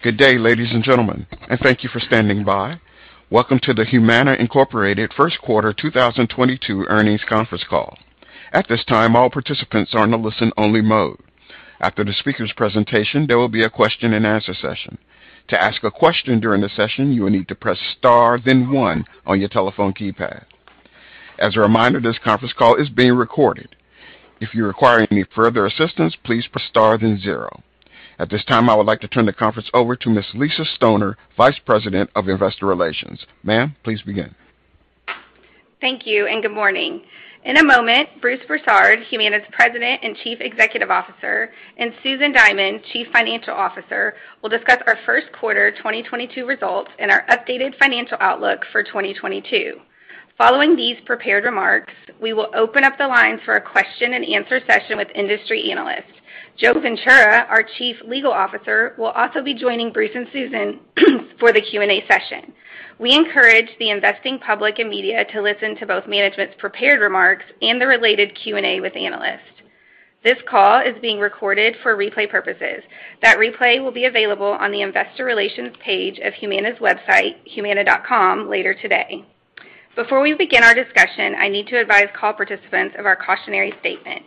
Good day, ladies and gentlemen, and thank you for standing by. Welcome to the Humana Inc. Q1 2022 Earnings Conference Call. At this time, all participants are in a listen only mode. After the speaker's presentation, there will be a question-and-answer session. To ask a question during the session, you will need to press star, then one on your telephone keypad. As a reminder, this conference call is being recorded. If you require any further assistance, please press Star then zero. At this time, I would like to turn the conference over to Ms. Lisa Stoner, Vice President of Investor Relations. Ma'am, please begin. Thank you and good morning. In a moment, Bruce Broussard, Humana's President and Chief Executive Officer, and Susan Diamond, Chief Financial Officer, will discuss our Q1 2022 results and our updated financial outlook for 2022. Following these prepared remarks, we will open up the line for a question-and-answer session with industry analysts. Joe Ventura, our Chief Legal Officer, will also be joining Bruce and Susan for the Q&A session. We encourage the investing public and media to listen to both management's prepared remarks and the related Q&A with analysts. This call is being recorded for replay purposes. That replay will be available on the investor relations page of Humana's website, humana.com, later today. Before we begin our discussion, I need to advise call participants of our cautionary statement.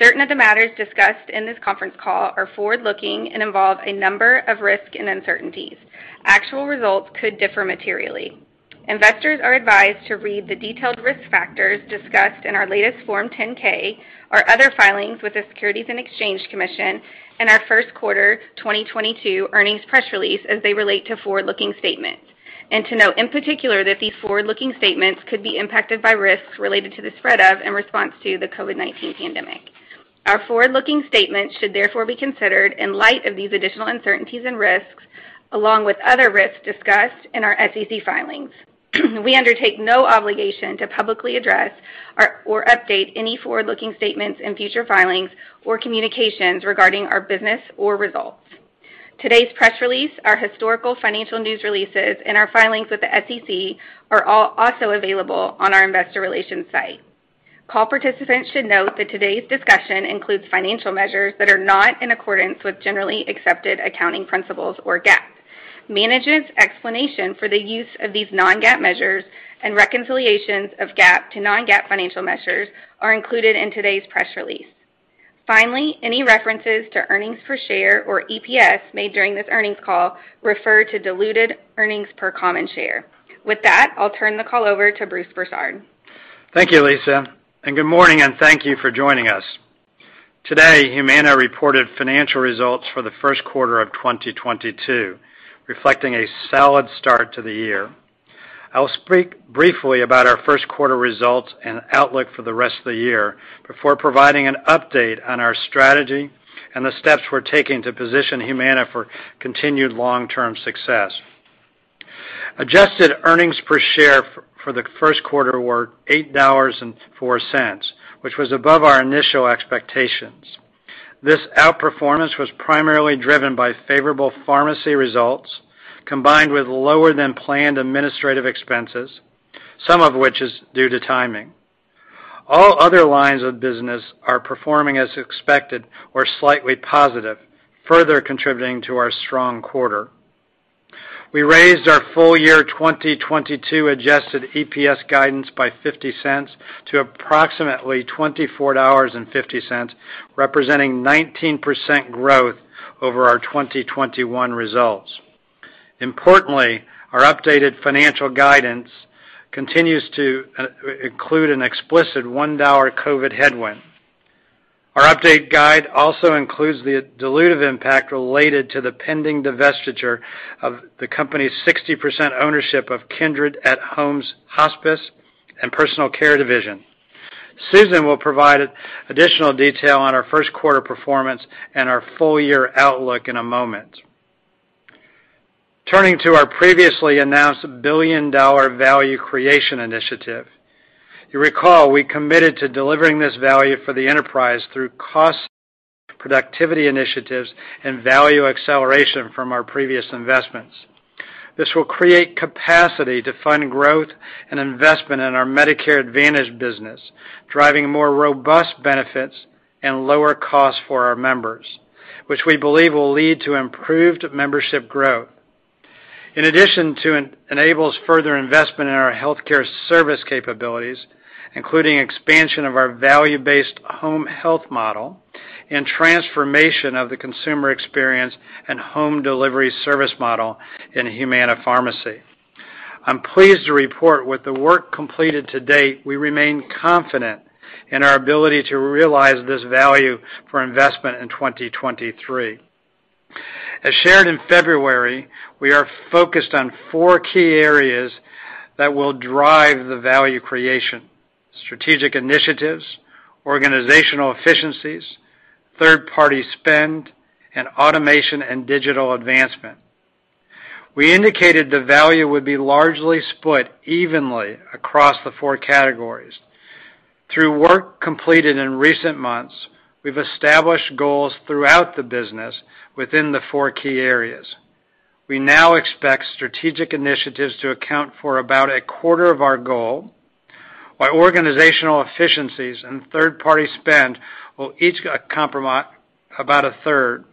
Certain of the matters discussed in this conference call are forward-looking and involve a number of risks and uncertainties. Actual results could differ materially. Investors are advised to read the detailed risk factors discussed in our latest Form 10-K or other filings with the Securities and Exchange Commission and our Q1 2022 earnings press release as they relate to forward-looking statements, and to note in particular that these forward-looking statements could be impacted by risks related to the spread of and response to the COVID-19 pandemic. Our forward-looking statements should therefore be considered in light of these additional uncertainties and risks, along with other risks discussed in our SEC filings. We undertake no obligation to publicly address or update any forward-looking statements in future filings or communications regarding our business or results. Today's press release, our historical financial news releases, and our filings with the SEC are all also available on our investor relations site. Call participants should note that today's discussion includes financial measures that are not in accordance with generally accepted accounting principles or GAAP. Management's explanation for the use of these non-GAAP measures and reconciliations of GAAP to non-GAAP financial measures are included in today's press release. Finally, any references to earnings per share or EPS made during this earnings call refer to diluted earnings per common share. With that, I'll turn the call over to Bruce Broussard. Thank you, Lisa, and good morning and thank you for joining us. Today, Humana reported financial results for the Q1 of 2022, reflecting a solid start to the year. I will speak briefly about our Q1 results and outlook for the rest of the year before providing an update on our strategy and the steps we're taking to position Humana for continued long-term success. Adjusted earnings per share for the Q1 were $8.04, which was above our initial expectations. This outperformance was primarily driven by favorable pharmacy results combined with lower than planned administrative expenses, some of which is due to timing. All other lines of business are performing as expected or slightly positive, further contributing to our strong quarter. We raised our full year 2022 adjusted EPS guidance by $0.50 to approximately $24.50, representing 19% growth over our 2021 results. Importantly, our updated financial guidance continues to include an explicit $1 COVID headwind. Our updated guidance also includes the dilutive impact related to the pending divestiture of the company's 60% ownership of Kindred at Home's Hospice and Personal Care Division. Susan will provide additional detail on our Q1 quarter performance and our full year outlook in a moment. Turning to our previously announced billion-dollar value creation initiative. You recall we committed to delivering this value for the enterprise through cost productivity initiatives and value acceleration from our previous investments. This will create capacity to fund growth and investment in our Medicare Advantage business, driving more robust benefits and lower costs for our members, which we believe will lead to improved membership growth. In addition, it enables further investment in our healthcare service capabilities, including expansion of our value-based home health model and transformation of the consumer experience and home delivery service model in Humana Pharmacy. I'm pleased to report with the work completed to date, we remain confident in our ability to realize this value for investment in 2023. As shared in February, we are focused on four key areas that will drive the value creation. Strategic initiatives, organizational efficiencies, third-party spend, and automation and digital advancement. We indicated the value would be largely split evenly across the four categories. Through work completed in recent months, we've established goals throughout the business within the four key areas. We now expect strategic initiatives to account for about a quarter of our goal. Organizational efficiencies and third-party spend will each comprise about a third.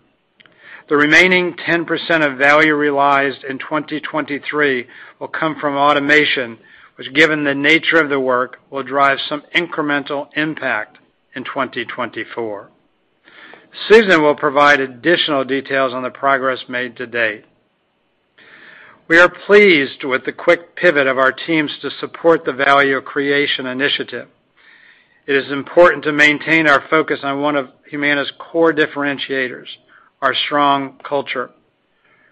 The remaining 10% of value realized in 2023 will come from automation, which given the nature of the work will drive some incremental impact in 2024. Susan will provide additional details on the progress made to date. We are pleased with the quick pivot of our teams to support the value creation initiative. It is important to maintain our focus on one of Humana's core differentiators, our strong culture.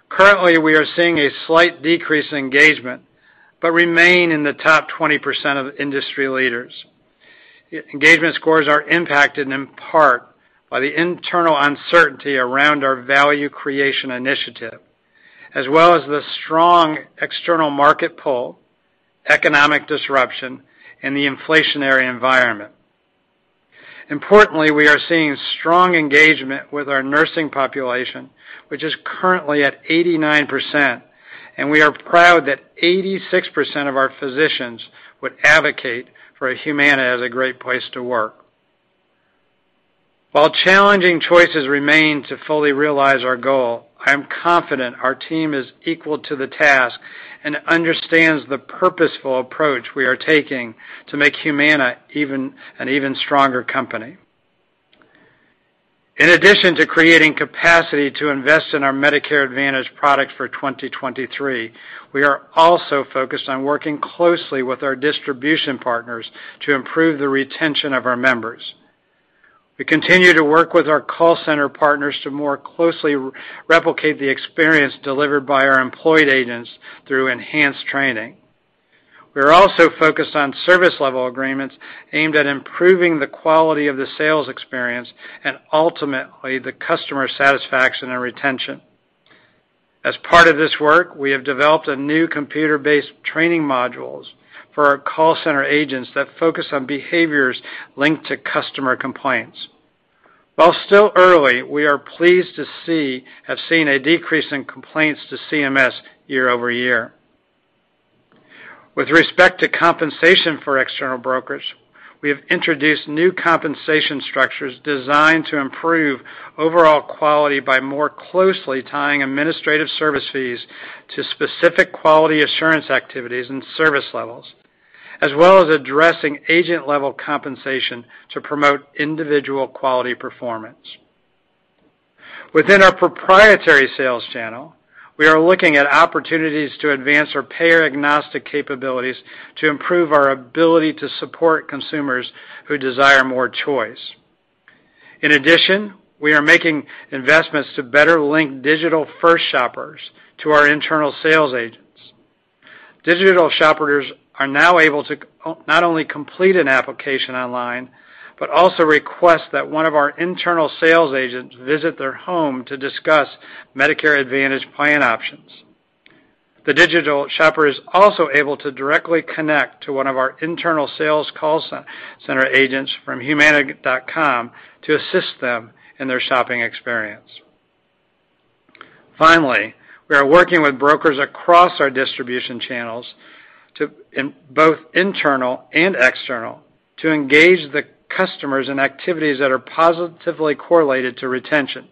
Currently, we are seeing a slight decrease in engagement, but remain in the top 20% of industry leaders. Engagement scores are impacted in part by the internal uncertainty around our value creation initiative, as well as the strong external market pull, economic disruption, and the inflationary environment. Importantly, we are seeing strong engagement with our nursing population, which is currently at 89%, and we are proud that 86% of our physicians would advocate for Humana as a great place to work. While challenging choices remain to fully realize our goal, I am confident our team is equal to the task and understands the purposeful approach we are taking to make Humana even an even stronger company. In addition to creating capacity to invest in our Medicare Advantage product for 2023, we are also focused on working closely with our distribution partners to improve the retention of our members. We continue to work with our call center partners to more closely replicate the experience delivered by our employed agents through enhanced training. We are also focused on service level agreements aimed at improving the quality of the sales experience and ultimately the customer satisfaction and retention. As part of this work, we have developed a new computer-based training modules for our call center agents that focus on behaviors linked to customer complaints. While still early, we are pleased to see, have seen a decrease in complaints to CMS year-over-year. With respect to compensation for external brokers, we have introduced new compensation structures designed to improve overall quality by more closely tying administrative service fees to specific quality assurance activities and service levels, as well as addressing agent level compensation to promote individual quality performance. Within our proprietary sales channel, we are looking at opportunities to advance our payer agnostic capabilities to improve our ability to support consumers who desire more choice. In addition, we are making investments to better link digital first shoppers to our internal sales agents. Digital shoppers are now able to not only complete an application online, but also request that one of our internal sales agents visit their home to discuss Medicare Advantage plan options. The digital shopper is also able to directly connect to one of our internal sales call center agents from Humana.com to assist them in their shopping experience. Finally, we are working with brokers across our distribution channels to, in both internal and external, to engage the customers in activities that are positively correlated to retention.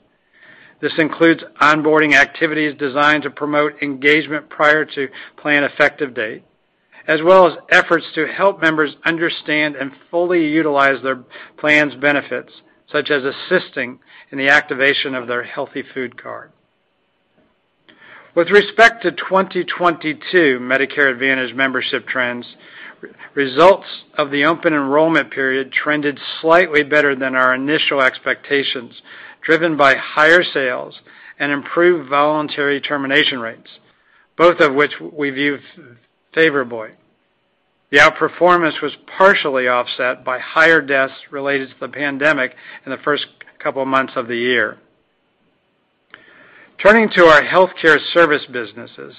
This includes onboarding activities designed to promote engagement prior to plan effective date, as well as efforts to help members understand and fully utilize their plan's benefits, such as assisting in the activation of their healthy food card. With respect to 2022 Medicare Advantage membership trends, results of the open enrollment period trended slightly better than our initial expectations, driven by higher sales and improved voluntary termination rates, both of which we view favorably. The outperformance was partially offset by higher deaths related to the pandemic in the first couple months of the year. Turning to our healthcare service businesses.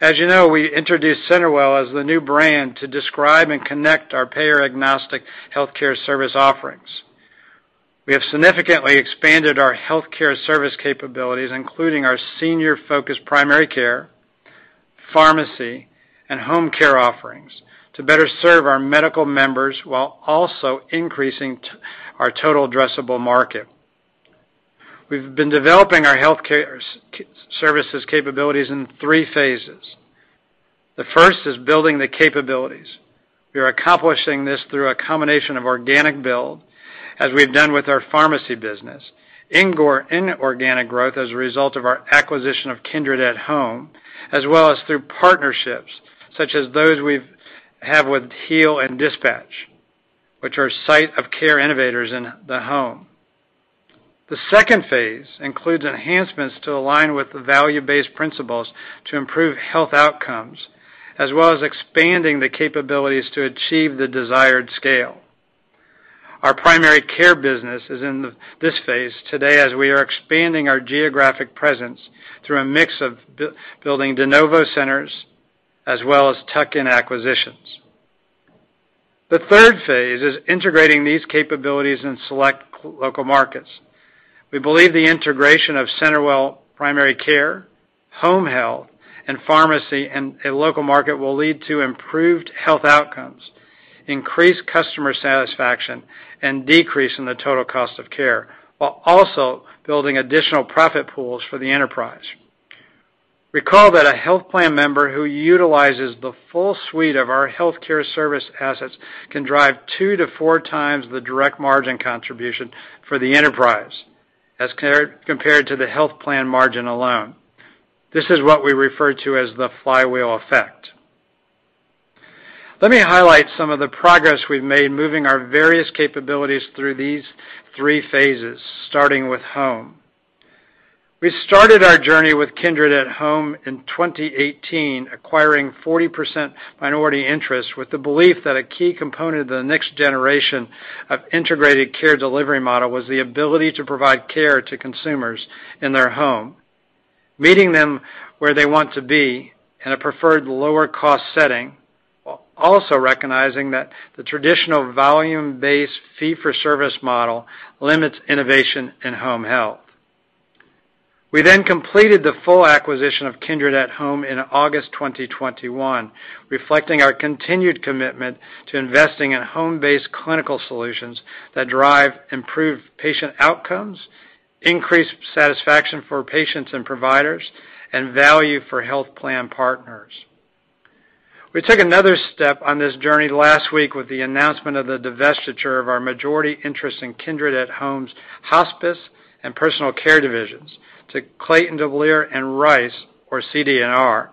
As you know, we introduced CenterWell as the new brand to describe and connect our payer-agnostic healthcare service offerings. We have significantly expanded our healthcare service capabilities, including our senior-focused primary care, pharmacy, and home care offerings to better serve our medical members while also increasing our total addressable market. We've been developing our healthcare services capabilities in three phases. The first is building the capabilities. We are accomplishing this through a combination of organic build, as we've done with our pharmacy business, inorganic growth as a result of our acquisition of Kindred at Home, as well as through partnerships such as those we have with Heal and DispatchHealth, which are site of care innovators in the home. The second phase includes enhancements to align with the value-based principles to improve health outcomes, as well as expanding the capabilities to achieve the desired scale. Our primary care business is in this phase today as we are expanding our geographic presence through a mix of building de novo centers as well as tuck-in acquisitions. The third phase is integrating these capabilities in select local markets. We believe the integration of CenterWell Primary Care, Home Health, and Pharmacy in a local market will lead to improved health outcomes, increased customer satisfaction, and decrease in the total cost of care, while also building additional profit pools for the enterprise. Recall that a health plan member who utilizes the full suite of our healthcare service assets can drive 2-4 times the direct margin contribution for the enterprise as compared to the health plan margin alone. This is what we refer to as the flywheel effect. Let me highlight some of the progress we've made moving our various capabilities through these three phases, starting with home. We started our journey with Kindred at Home in 2018, acquiring 40% minority interest with the belief that a key component of the next generation of integrated care delivery model was the ability to provide care to consumers in their home, meeting them where they want to be in a preferred lower cost setting, while also recognizing that the traditional volume-based fee-for-service model limits innovation in home health. We completed the full acquisition of Kindred at Home in August 2021, reflecting our continued commitment to investing in home-based clinical solutions that drive improved patient outcomes, increased satisfaction for patients and providers, and value for health plan partners. We took another step on this journey last week with the announcement of the divestiture of our majority interest in Kindred at Home's Hospice and Personal Care divisions to Clayton, Dubilier & Rice, or CD&R.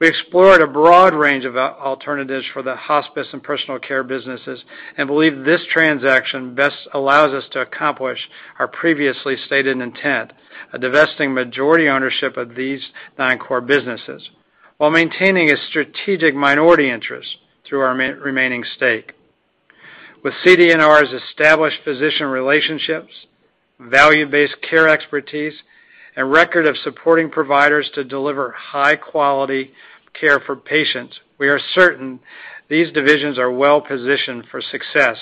We explored a broad range of alternatives for the hospice and personal care businesses and believe this transaction best allows us to accomplish our previously stated intent of divesting majority ownership of these nine core businesses while maintaining a strategic minority interest through our remaining stake. With CD&R's established physician relationships, value-based care expertise, and record of supporting providers to deliver high-quality care for patients, we are certain these divisions are well-positioned for success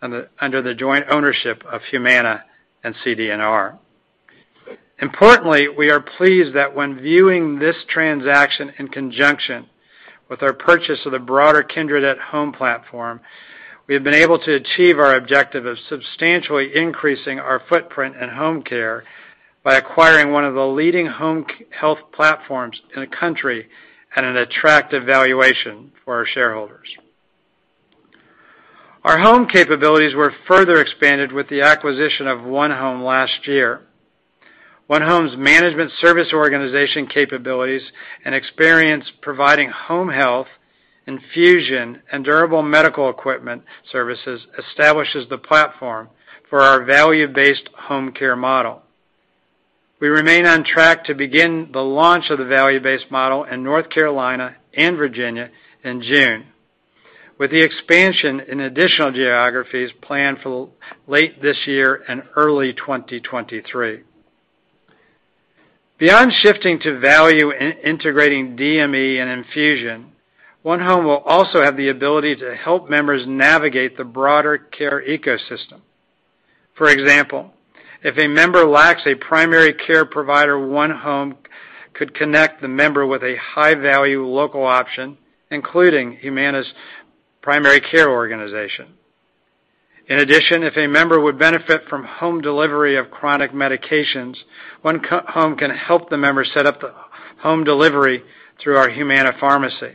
under the joint ownership of Humana and CD&R. Importantly, we are pleased that when viewing this transaction in conjunction with our purchase of the broader Kindred at Home platform, we have been able to achieve our objective of substantially increasing our footprint in home care by acquiring one of the leading home health platforms in the country at an attractive valuation for our shareholders. Our home capabilities were further expanded with the acquisition of onehome last year. onehome's management service organization capabilities and experience providing home health, infusion, and durable medical equipment services establishes the platform for our value-based home care model. We remain on track to begin the launch of the value-based model in North Carolina and Virginia in June, with the expansion in additional geographies planned for late this year and early 2023. Beyond shifting to value in integrating DME and infusion, onehome will also have the ability to help members navigate the broader care ecosystem. For example, if a member lacks a primary care provider, onehome could connect the member with a high-value local option, including Humana's primary care organization. In addition, if a member would benefit from home delivery of chronic medications, onehome can help the member set up the home delivery through our Humana Pharmacy.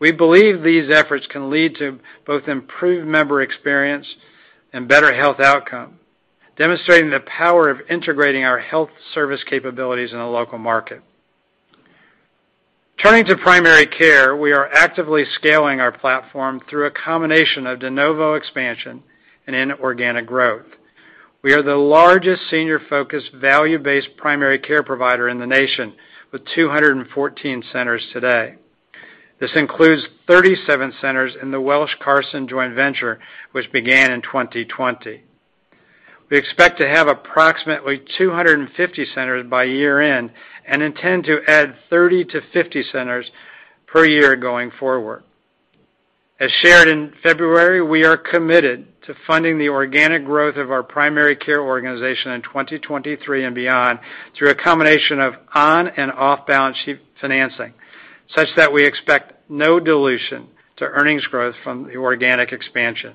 We believe these efforts can lead to both improved member experience and better health outcome, demonstrating the power of integrating our health service capabilities in the local market. Turning to primary care, we are actively scaling our platform through a combination of de novo expansion and inorganic growth. We are the largest senior-focused value-based primary care provider in the nation, with 214 centers today. This includes 37 centers in the Welsh, Carson, Anderson & Stowe joint venture, which began in 2020. We expect to have approximately 250 centers by year-end and intend to add 30-50 centers per year going forward. As shared in February, we are committed to funding the organic growth of our primary care organization in 2023 and beyond through a combination of on- and off-balance sheet financing, such that we expect no dilution to earnings growth from the organic expansion.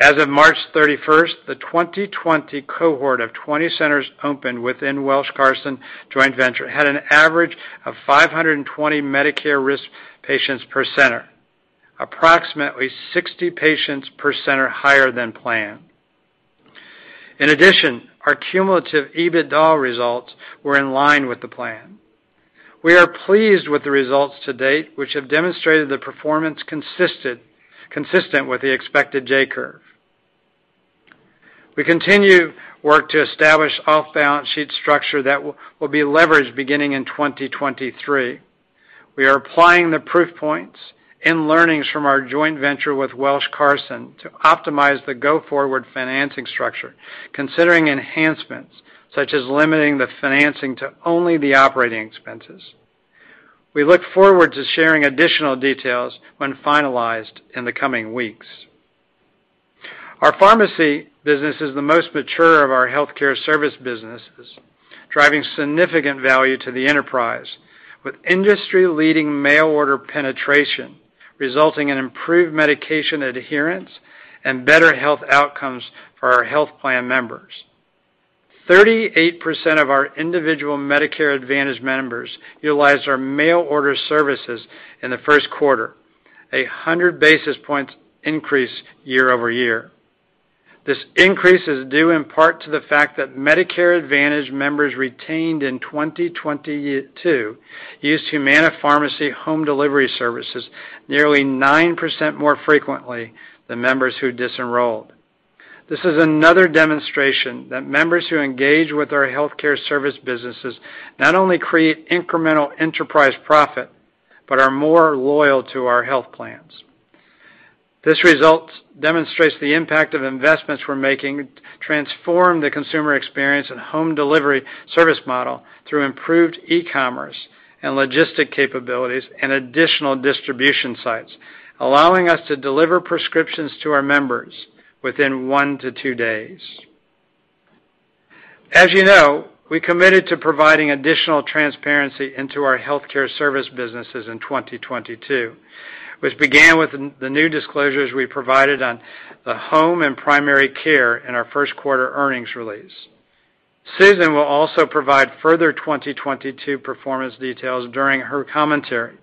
As of March 31st, the 2020 cohort of 20 centers opened within Welsh, Carson, Anderson & Stowe joint venture had an average of 520 Medicare risk patients per center, approximately 60 patients per center higher than planned. In addition, our cumulative EBITDA results were in line with the plan. We are pleased with the results to date, which have demonstrated the performance consistent with the expected J-curve. We continue work to establish off-balance sheet structure that will be leveraged beginning in 2023. We are applying the proof points and learnings from our joint venture with Welsh, Carson to optimize the go-forward financing structure, considering enhancements such as limiting the financing to only the operating expenses. We look forward to sharing additional details when finalized in the coming weeks. Our pharmacy business is the most mature of our healthcare service businesses, driving significant value to the enterprise, with industry-leading mail order penetration resulting in improved medication adherence and better health outcomes for our health plan members. 38% of our individual Medicare Advantage members utilized our mail order services in the Q1, 100 basis points increase year-over-year. This increase is due in part to the fact that Medicare Advantage members retained in 2022 used Humana Pharmacy home delivery services nearly 9% more frequently than members who disenrolled. This is another demonstration that members who engage with our healthcare service businesses not only create incremental enterprise profit, but are more loyal to our health plans. This result demonstrates the impact of investments we're making to transform the consumer experience and home delivery service model through improved e-commerce and logistics capabilities and additional distribution sites, allowing us to deliver prescriptions to our members within one-two days. As you know, we committed to providing additional transparency into our healthcare service businesses in 2022, which began with in the new disclosures we provided on the home and primary care in our Q1 earnings release. Susan will also provide further 2022 performance details during her commentary.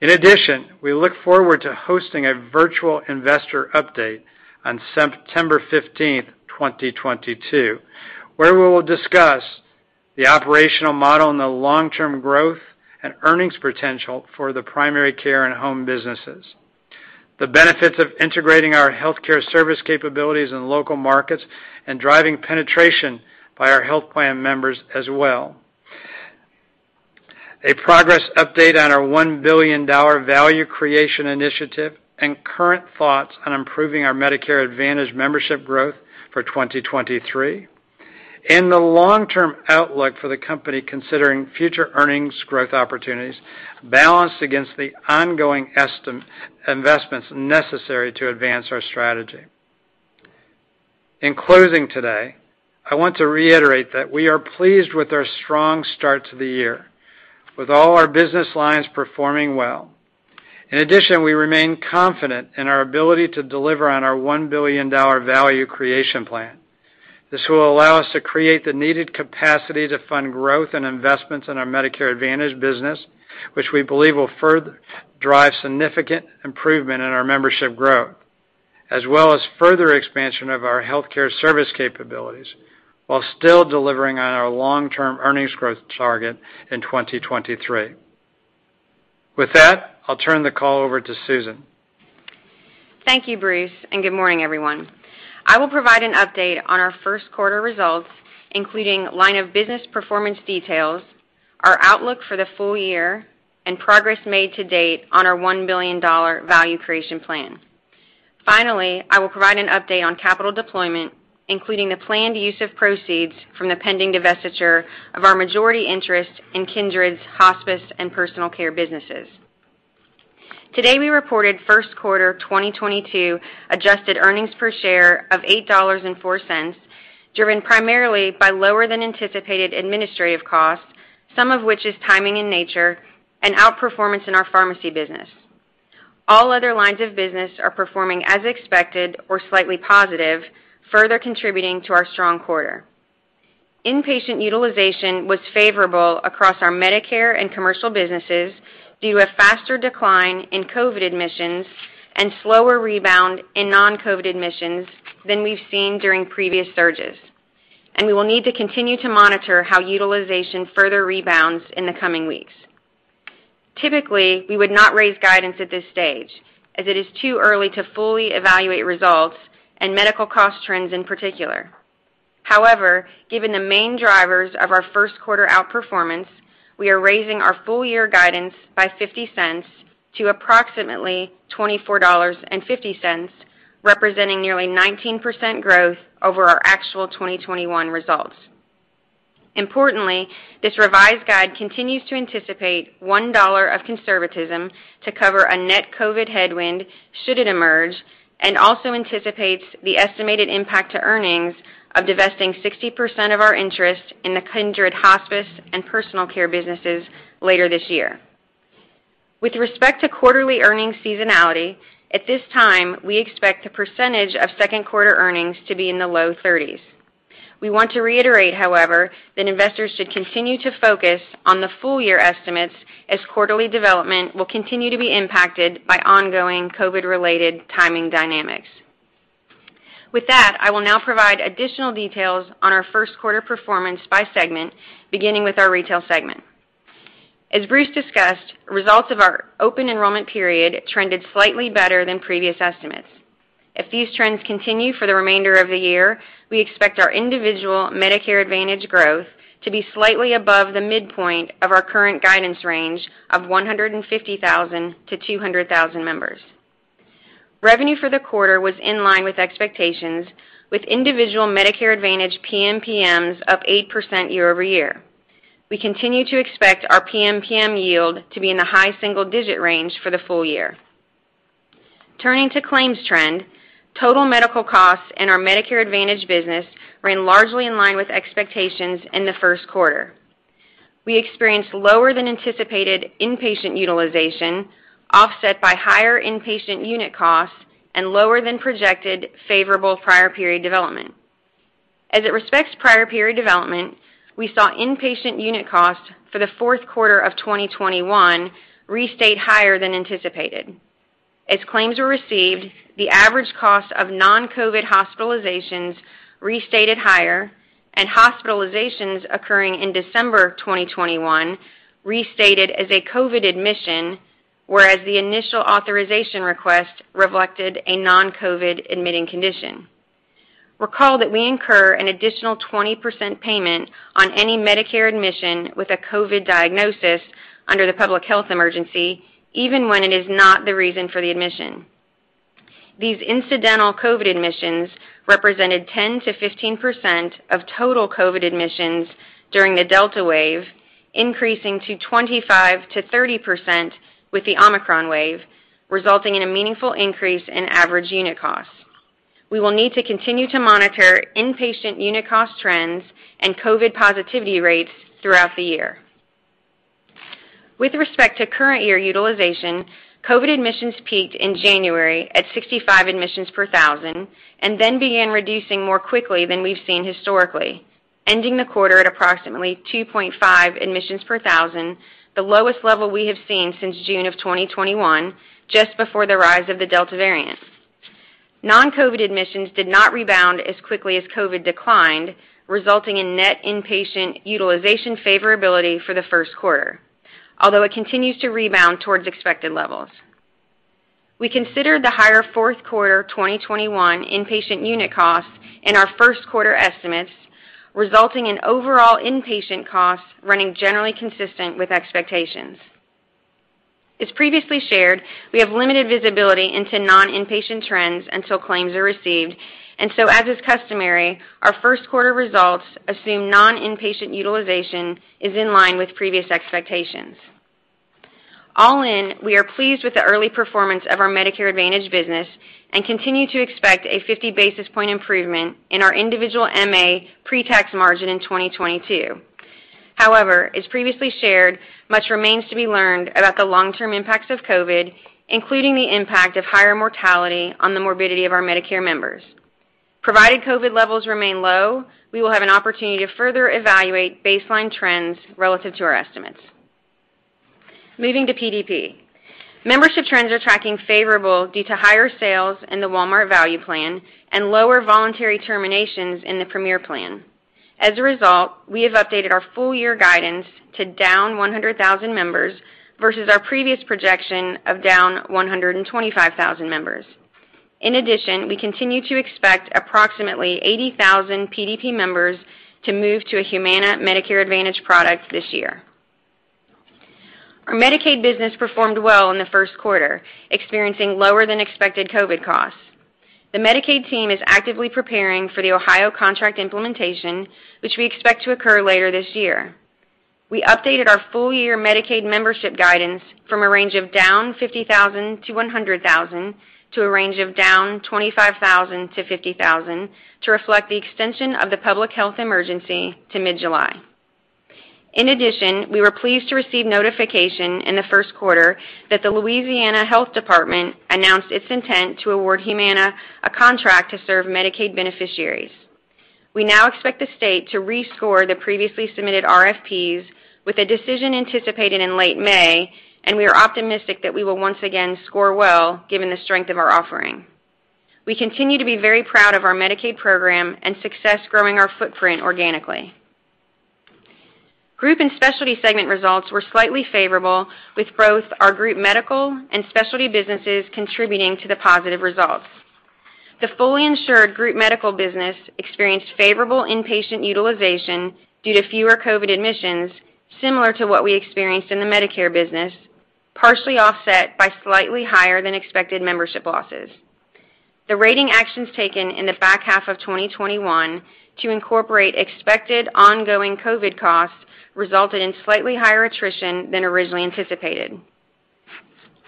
In addition, we look forward to hosting a virtual investor update on September 15th, 2022, where we will discuss the operational model and the long-term growth and earnings potential for the primary care and home businesses, the benefits of integrating our healthcare service capabilities in local markets and driving penetration by our health plan members as well, a progress update on our $1 billion value creation initiative, and current thoughts on improving our Medicare Advantage membership growth for 2023, and the long-term outlook for the company, considering future earnings growth opportunities balanced against the ongoing investments necessary to advance our strategy. In closing today, I want to reiterate that we are pleased with our strong start to the year, with all our business lines performing well. In addition, we remain confident in our ability to deliver on our $1 billion value creation plan. This will allow us to create the needed capacity to fund growth and investments in our Medicare Advantage business, which we believe will drive significant improvement in our membership growth, as well as further expansion of our healthcare service capabilities while still delivering on our long-term earnings growth target in 2023. With that, I'll turn the call over to Susan. Thank you, Bruce, and good morning, everyone. I will provide an update on our Q1 results, including line of business performance details, our outlook for the full year, and progress made to date on our $1 billion value creation plan. Finally, I will provide an update on capital deployment, including the planned use of proceeds from the pending divestiture of our majority interest in Kindred's hospice and personal care businesses. Today, we reported Q1 2022 adjusted earnings per share of $8.04, driven primarily by lower than anticipated administrative costs, some of which is timing in nature, and outperformance in our pharmacy business. All other lines of business are performing as expected or slightly positive, further contributing to our strong quarter. Inpatient utilization was favorable across our Medicare and commercial businesses due to a faster decline in COVID admissions and slower rebound in non-COVID admissions than we've seen during previous surges, and we will need to continue to monitor how utilization further rebounds in the coming weeks. Typically, we would not raise guidance at this stage, as it is too early to fully evaluate results and medical cost trends in particular. However, given the main drivers of our Q1 outperformance, we are raising our full year guidance by $0.50 to approximately $24.50, representing nearly 19% growth over our actual 2021 results. Importantly, this revised guide continues to anticipate $1 of conservatism to cover a net COVID headwind should it emerge, and also anticipates the estimated impact to earnings of divesting 60% of our interest in the Kindred hospice and personal care businesses later this year. With respect to quarterly earnings seasonality, at this time, we expect the percentage of Q2 earnings to be in the low 30s. We want to reiterate, however, that investors should continue to focus on the full year estimates as quarterly development will continue to be impacted by ongoing COVID-related timing dynamics. With that, I will now provide additional details on our Q1 performance by segment, beginning with our retail segment. As Bruce discussed, results of our open enrollment period trended slightly better than previous estimates. If these trends continue for the remainder of the year, we expect our individual Medicare Advantage growth to be slightly above the midpoint of our current guidance range of 150,000-200,000 members. Revenue for the quarter was in line with expectations, with individual Medicare Advantage PMPMs of 8% year-over-year. We continue to expect our PMPM yield to be in the high single-digit range for the full year. Turning to claims trend, total medical costs in our Medicare Advantage business ran largely in line with expectations in the Q1. We experienced lower than anticipated inpatient utilization, offset by higher inpatient unit costs and lower than projected favorable prior period development. As it relates to prior period development, we saw inpatient unit costs for the Q4 of 2021 restate higher than anticipated. As claims were received, the average cost of non-COVID hospitalizations restated higher, and hospitalizations occurring in December 2021 restated as a COVID admission, whereas the initial authorization request reflected a non-COVID admitting condition. Recall that we incur an additional 20% payment on any Medicare admission with a COVID diagnosis under the public health emergency, even when it is not the reason for the admission. These incidental COVID admissions represented 10%-15% of total COVID admissions during the Delta wave, increasing to 25%-30% with the Omicron wave, resulting in a meaningful increase in average unit costs. We will need to continue to monitor inpatient unit cost trends and COVID positivity rates throughout the year. With respect to current year utilization, COVID admissions peaked in January at 65 admissions per thousand and then began reducing more quickly than we've seen historically, ending the quarter at approximately 2.5 admissions per thousand, the lowest level we have seen since June 2021, just before the rise of the Delta variant. Non-COVID admissions did not rebound as quickly as COVID declined, resulting in net inpatient utilization favorability for the Q1, although it continues to rebound towards expected levels. We considered the higher Q4 2021 inpatient unit costs in our Q1 estimates, resulting in overall inpatient costs running generally consistent with expectations. As previously shared, we have limited visibility into non-inpatient trends until claims are received, and so, as is customary, our Q1 results assume non-inpatient utilization is in line with previous expectations. All in, we are pleased with the early performance of our Medicare Advantage business and continue to expect a 50 basis points improvement in our individual MA pre-tax margin in 2022. However, as previously shared, much remains to be learned about the long-term impacts of COVID, including the impact of higher mortality on the morbidity of our Medicare members. Provided COVID levels remain low, we will have an opportunity to further evaluate baseline trends relative to our estimates. Moving to PDP. Membership trends are tracking favorable due to higher sales in the Walmart Value Plan and lower voluntary terminations in the Premier Plan. As a result, we have updated our full year guidance to down 100,000 members versus our previous projection of down 125,000 members. In addition, we continue to expect approximately 80,000 PDP members to move to a Humana Medicare Advantage product this year. Our Medicaid business performed well in the Q1, experiencing lower than expected COVID costs. The Medicaid team is actively preparing for the Ohio contract implementation, which we expect to occur later this year. We updated our full year Medicaid membership guidance from a range of down 50,000-100,000 to a range of down 25,000-50,000 to reflect the extension of the public health emergency to mid-July. In addition, we were pleased to receive notification in the Q1 that the Louisiana Department of Health announced its intent to award Humana a contract to serve Medicaid beneficiaries. We now expect the state to rescore the previously submitted RFPs, with a decision anticipated in late May, and we are optimistic that we will once again score well, given the strength of our offering. We continue to be very proud of our Medicaid program and success growing our footprint organically. Group and Specialty segment results were slightly favorable, with both our Group Medical and Specialty businesses contributing to the positive results. The fully insured Group Medical business experienced favorable inpatient utilization due to fewer COVID admissions, similar to what we experienced in the Medicare business, partially offset by slightly higher than expected membership losses. The rating actions taken in the back half of 2021 to incorporate expected ongoing COVID costs resulted in slightly higher attrition than originally anticipated.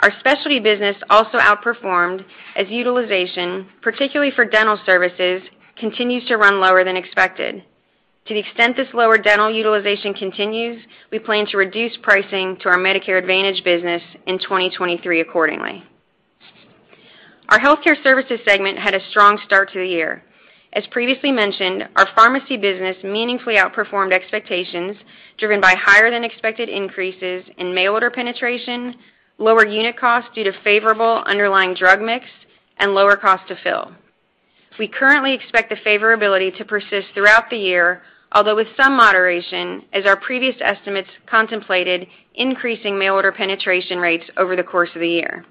Our Specialty business also outperformed, as utilization, particularly for dental services, continues to run lower than expected. To the extent this lower dental utilization continues, we plan to reduce pricing to our Medicare Advantage business in 2023 accordingly. Our healthcare services segment had a strong start to the year. As previously mentioned, our pharmacy business meaningfully outperformed expectations, driven by higher than expected increases in mail order penetration, lower unit costs due to favorable underlying drug mix, and lower cost to fill. We currently expect the favorability to persist throughout the year, although with some moderation, as our previous estimates contemplated increasing mail order penetration rates over the course of the year.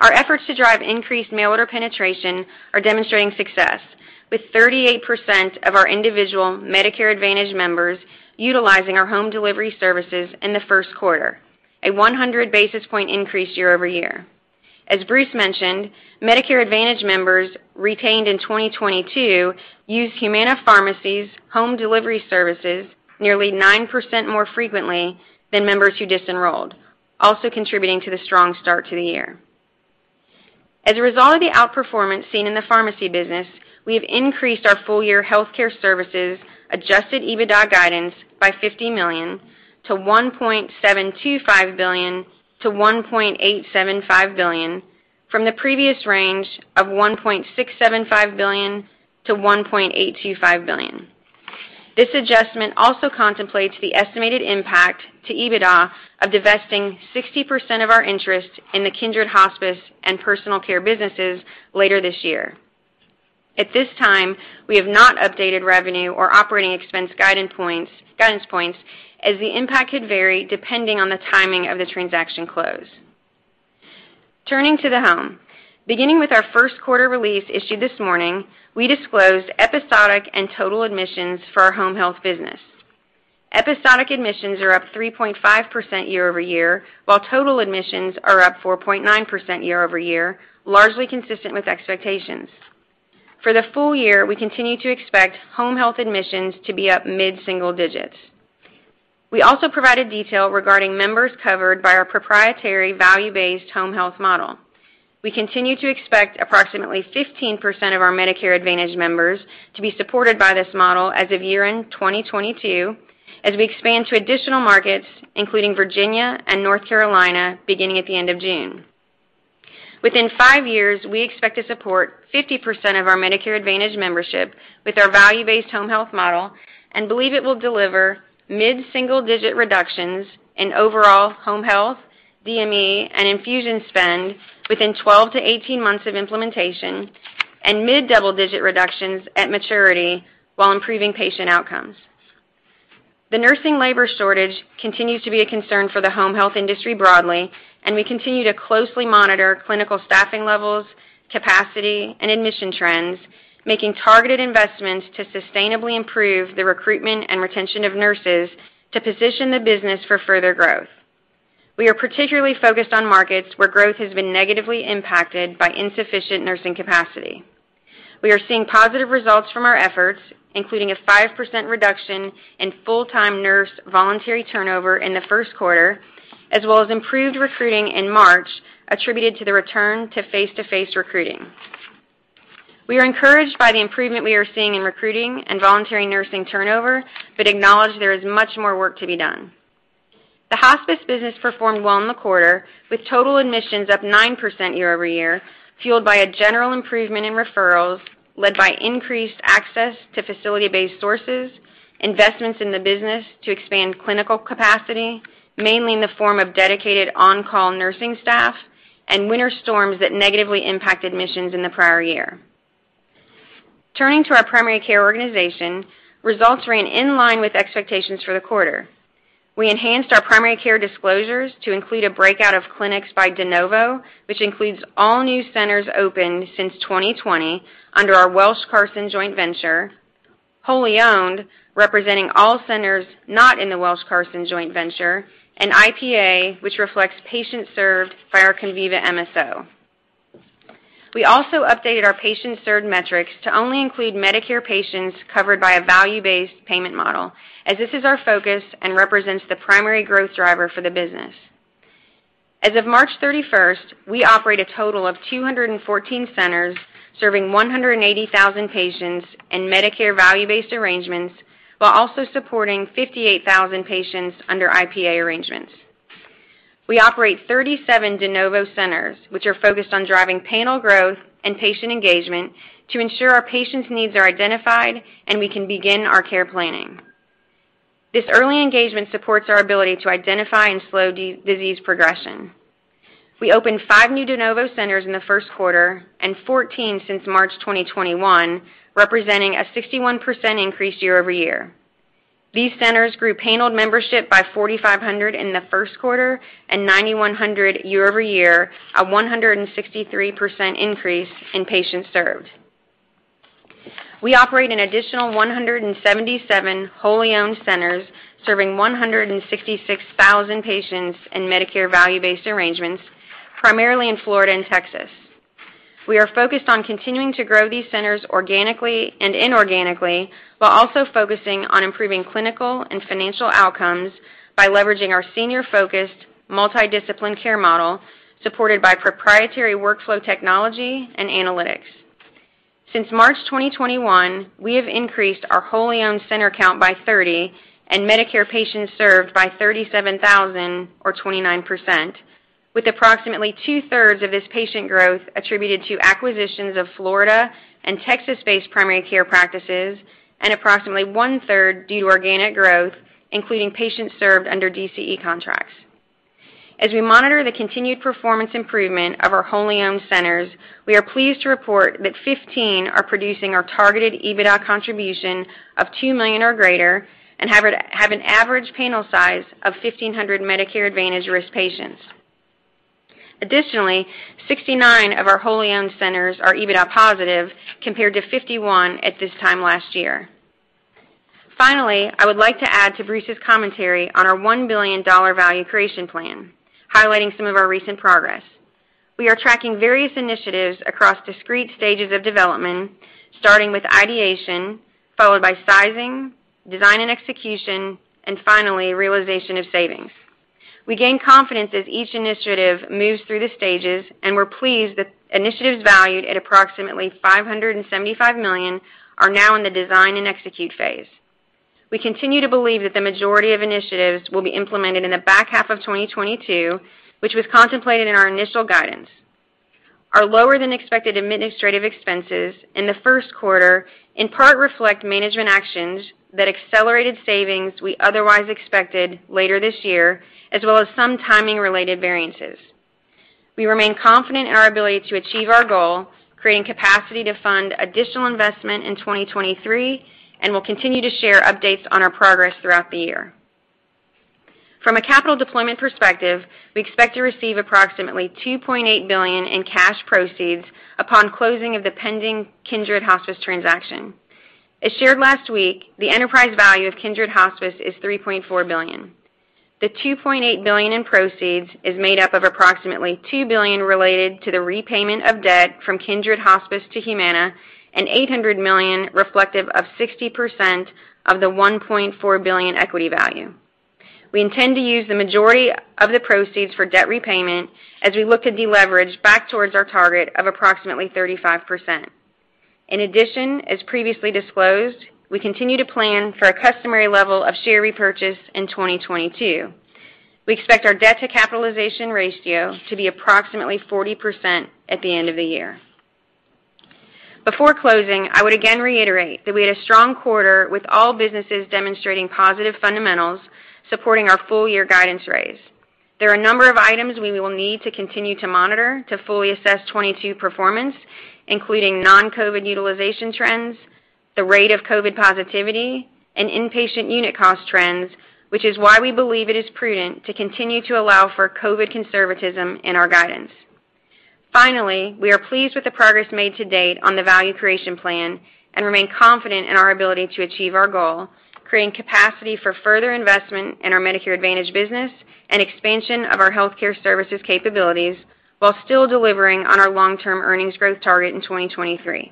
Our efforts to drive increased mail order penetration are demonstrating success. With 38% of our individual Medicare Advantage members utilizing our home delivery services in the Q1, a 100 basis point increase year-over-year. As Bruce mentioned, Medicare Advantage members retained in 2022 used Humana Pharmacy's home delivery services nearly 9% more frequently than members who disenrolled, also contributing to the strong start to the year. As a result of the outperformance seen in the pharmacy business, we have increased our full-year healthcare services adjusted EBITDA guidance by $50 million-$1.725 billion-$1.875 billion from the previous range of $1.675 billion-$1.825 billion. This adjustment also contemplates the estimated impact to EBITDA of divesting 60% of our interest in the Kindred at Home Hospice and Personal Care businesses later this year. At this time, we have not updated revenue or operating expense guidance points, as the impact could vary depending on the timing of the transaction close. Turning to the home. Beginning with our Q1 release issued this morning, we disclosed episodic and total admissions for our home health business. Episodic admissions are up 3.5% year over year, while total admissions are up 4.9% year over year, largely consistent with expectations. For the full year, we continue to expect home health admissions to be up mid-single digits. We also provided detail regarding members covered by our proprietary value-based home health model. We continue to expect approximately 15% of our Medicare Advantage members to be supported by this model as of year-end 2022, as we expand to additional markets, including Virginia and North Carolina, beginning at the end of June. Within 5 years, we expect to support 50% of our Medicare Advantage membership with our value-based home health model and believe it will deliver mid-single-digit reductions in overall home health, DME, and infusion spend within 12-18 months of implementation and mid-double-digit reductions at maturity while improving patient outcomes. The nursing labor shortage continues to be a concern for the home health industry broadly, and we continue to closely monitor clinical staffing levels, capacity, and admission trends, making targeted investments to sustainably improve the recruitment and retention of nurses to position the business for further growth. We are particularly focused on markets where growth has been negatively impacted by insufficient nursing capacity. We are seeing positive results from our efforts, including a 5% reduction in full-time nurse voluntary turnover in the Q1, as well as improved recruiting in March attributed to the return to face-to-face recruiting. We are encouraged by the improvement we are seeing in recruiting and voluntary nursing turnover but acknowledge there is much more work to be done. The hospice business performed well in the quarter, with total admissions up 9% year-over-year, fueled by a general improvement in referrals led by increased access to facility-based sources, investments in the business to expand clinical capacity, mainly in the form of dedicated on-call nursing staff, and winter storms that negatively impacted missions in the prior year. Turning to our primary care organization, results ran in line with expectations for the quarter. We enhanced our primary care disclosures to include a breakout of clinics by de novo, which includes all new centers opened since 2020 under our Welsh, Carson, Anderson & Stowe joint venture, wholly owned, representing all centers not in the Welsh, Carson, Anderson & Stowe joint venture, and IPA, which reflects patients served by our Conviva MSO. We also updated our patients served metrics to only include Medicare patients covered by a value-based payment model, as this is our focus and represents the primary growth driver for the business. As of March 31st, we operate a total of 214 centers serving 180,000 patients in Medicare value-based arrangements while also supporting 58,000 patients under IPA arrangements. We operate 37 de novo centers, which are focused on driving panel growth and patient engagement to ensure our patients' needs are identified and we can begin our care planning. This early engagement supports our ability to identify and slow disease progression. We opened five new de novo centers in the Q1 and 14 since March 2021, representing a 61% increase year-over-year. These centers grew paneled membership by 4,500 in the Q1 and 9,100 year-over-year, a 163% increase in patients served. We operate an additional 177 wholly owned centers serving 166,000 patients in Medicare value-based arrangements, primarily in Florida and Texas. We are focused on continuing to grow these centers organically and inorganically while also focusing on improving clinical and financial outcomes by leveraging our senior-focused multidisciplined care model supported by proprietary workflow technology and analytics. Since March 2021, we have increased our wholly owned center count by 30 and Medicare patients served by 37,000 or 29%, with approximately two-thirds of this patient growth attributed to acquisitions of Florida and Texas-based primary care practices and approximately 1/3 due to organic growth, including patients served under DCE contracts. As we monitor the continued performance improvement of our wholly owned centers, we are pleased to report that 15 are producing our targeted EBITDA contribution of $2 million or greater and have an average panel size of 1,500 Medicare Advantage risk patients. Additionally, 69 of our wholly owned centers are EBITDA positive compared to 51 at this time last year. Finally, I would like to add to Bruce's commentary on our $1 billion value creation plan, highlighting some of our recent progress. We are tracking various initiatives across discrete stages of development, starting with ideation, followed by sizing, design and execution, and finally, realization of savings. We gain confidence as each initiative moves through the stages, and we're pleased that initiatives valued at approximately $575 million are now in the design and execute phase. We continue to believe that the majority of initiatives will be implemented in the back half of 2022, which was contemplated in our initial guidance. Our lower than expected administrative expenses in the Q1 in part reflect management actions that accelerated savings we otherwise expected later this year, as well as some timing related variances. We remain confident in our ability to achieve our goal, creating capacity to fund additional investment in 2023, and we'll continue to share updates on our progress throughout the year. From a capital deployment perspective, we expect to receive approximately $2.8 billion in cash proceeds upon closing of the pending Kindred Hospice transaction. As shared last week, the enterprise value of Kindred Hospice is $3.4 billion. The $2.8 billion in proceeds is made up of approximately $2 billion related to the repayment of debt from Kindred Hospice to Humana and $800 million reflective of 60% of the $1.4 billion equity value. We intend to use the majority of the proceeds for debt repayment as we look to deleverage back towards our target of approximately 35%. In addition, as previously disclosed, we continue to plan for a customary level of share repurchase in 2022. We expect our debt to capitalization ratio to be approximately 40% at the end of the year. Before closing, I would again reiterate that we had a strong quarter with all businesses demonstrating positive fundamentals supporting our full year guidance raise. There are a number of items we will need to continue to monitor to fully assess 2022 performance, including non-COVID utilization trends, the rate of COVID positivity, and inpatient unit cost trends, which is why we believe it is prudent to continue to allow for COVID conservatism in our guidance. Finally, we are pleased with the progress made to date on the value creation plan and remain confident in our ability to achieve our goal, creating capacity for further investment in our Medicare Advantage business and expansion of our healthcare services capabilities while still delivering on our long-term earnings growth target in 2023.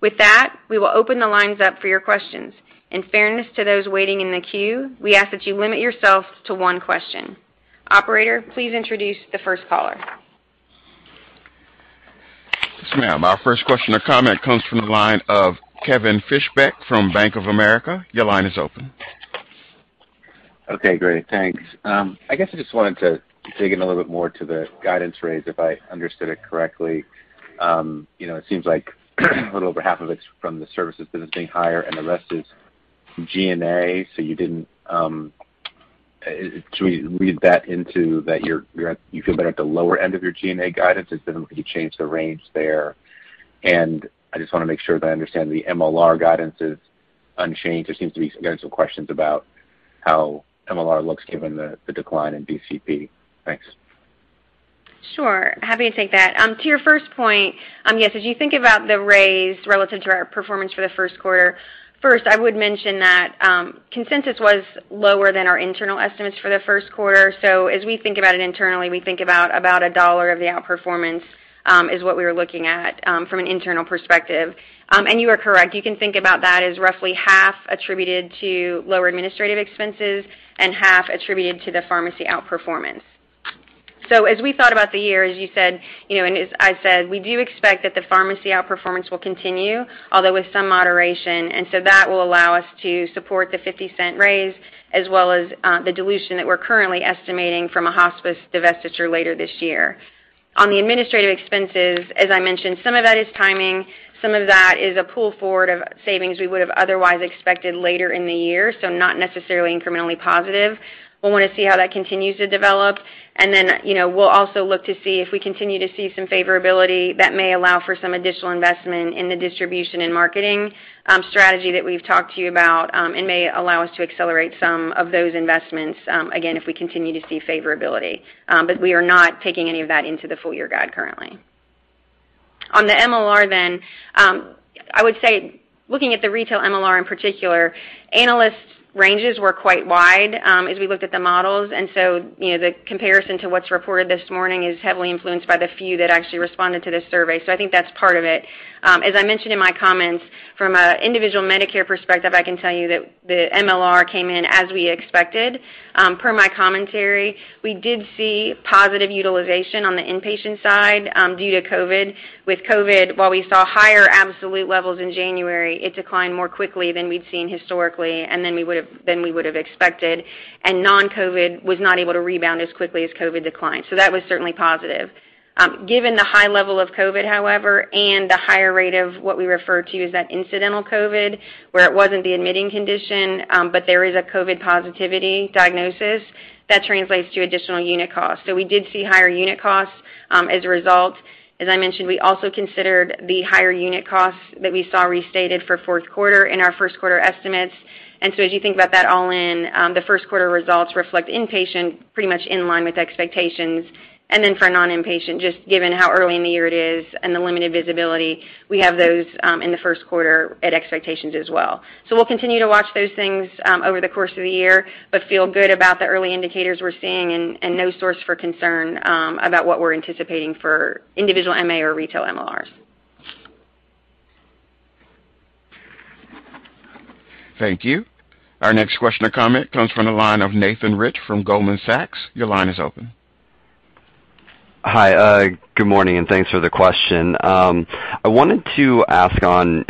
With that, we will open the lines up for your questions. In fairness to those waiting in the queue, we ask that you limit yourself to one question. Operator, please introduce the first caller. Yes, ma'am. Our first question or comment comes from the line of Kevin Fischbeck from Bank of America. Your line is open. Okay, great. Thanks. I guess I just wanted to dig in a little bit more to the guidance raise, if I understood it correctly. You know, it seems like a little over half of it's from the services business being higher and the rest is G&A. We read that as you feel better at the lower end of your G&A guidance. It doesn't look like you changed the range there. I just want to make sure that I understand the MLR guidance is unchanged. There seems to be, again, some questions about how MLR looks given the decline in DCP. Thanks. Sure. Happy to take that. To your first point, yes, as you think about the raise relative to our performance for the Q1, first, I would mention that, consensus was lower than our internal estimates for the Q1. As we think about it internally, we think about $1 of the outperformance is what we were looking at from an internal perspective. And you are correct. You can think about that as roughly half attributed to lower administrative expenses and half attributed to the pharmacy outperformance. As we thought about the year, as you said, you know, and as I said, we do expect that the pharmacy outperformance will continue, although with some moderation. That will allow us to support the $0.50 raise, as well as the dilution that we're currently estimating from a hospice divestiture later this year. On the administrative expenses, as I mentioned, some of that is timing, some of that is a pull forward of savings we would have otherwise expected later in the year, so not necessarily incrementally positive. We'll wanna see how that continues to develop, and then, you know, we'll also look to see if we continue to see some favorability that may allow for some additional investment in the distribution and marketing strategy that we've talked to you about, and may allow us to accelerate some of those investments, again, if we continue to see favorability. We are not taking any of that into the full-year guide currently. On the MLR, I would say looking at the retail MLR in particular, analysts' ranges were quite wide, as we looked at the models. You know, the comparison to what's reported this morning is heavily influenced by the few that actually responded to this survey. I think that's part of it. As I mentioned in my comments, from an individual Medicare perspective, I can tell you that the MLR came in as we expected. Per my commentary, we did see positive utilization on the inpatient side, due to COVID. With COVID, while we saw higher absolute levels in January, it declined more quickly than we'd seen historically and than we would've expected, and non-COVID was not able to rebound as quickly as COVID declined. That was certainly positive. Given the high level of COVID, however, and the higher rate of what we refer to as that incidental COVID, where it wasn't the admitting condition, but there is a COVID positivity diagnosis, that translates to additional unit costs. We did see higher unit costs, as a result. As I mentioned, we also considered the higher unit costs that we saw restated for Q4 in our Q1 estimates. As you think about that all in, the Q1 results reflect inpatient pretty much in line with expectations. For non-inpatient, just given how early in the year it is and the limited visibility, we have those in the Q1 at expectations as well. We'll continue to watch those things over the course of the year, but feel good about the early indicators we're seeing and no source for concern about what we're anticipating for individual MA or retail MLRs. Thank you. Our next question or comment comes from the line of Nathan Rich from Goldman Sachs. Your line is open. Hi, good morning, and thanks for the question. I wanted to ask on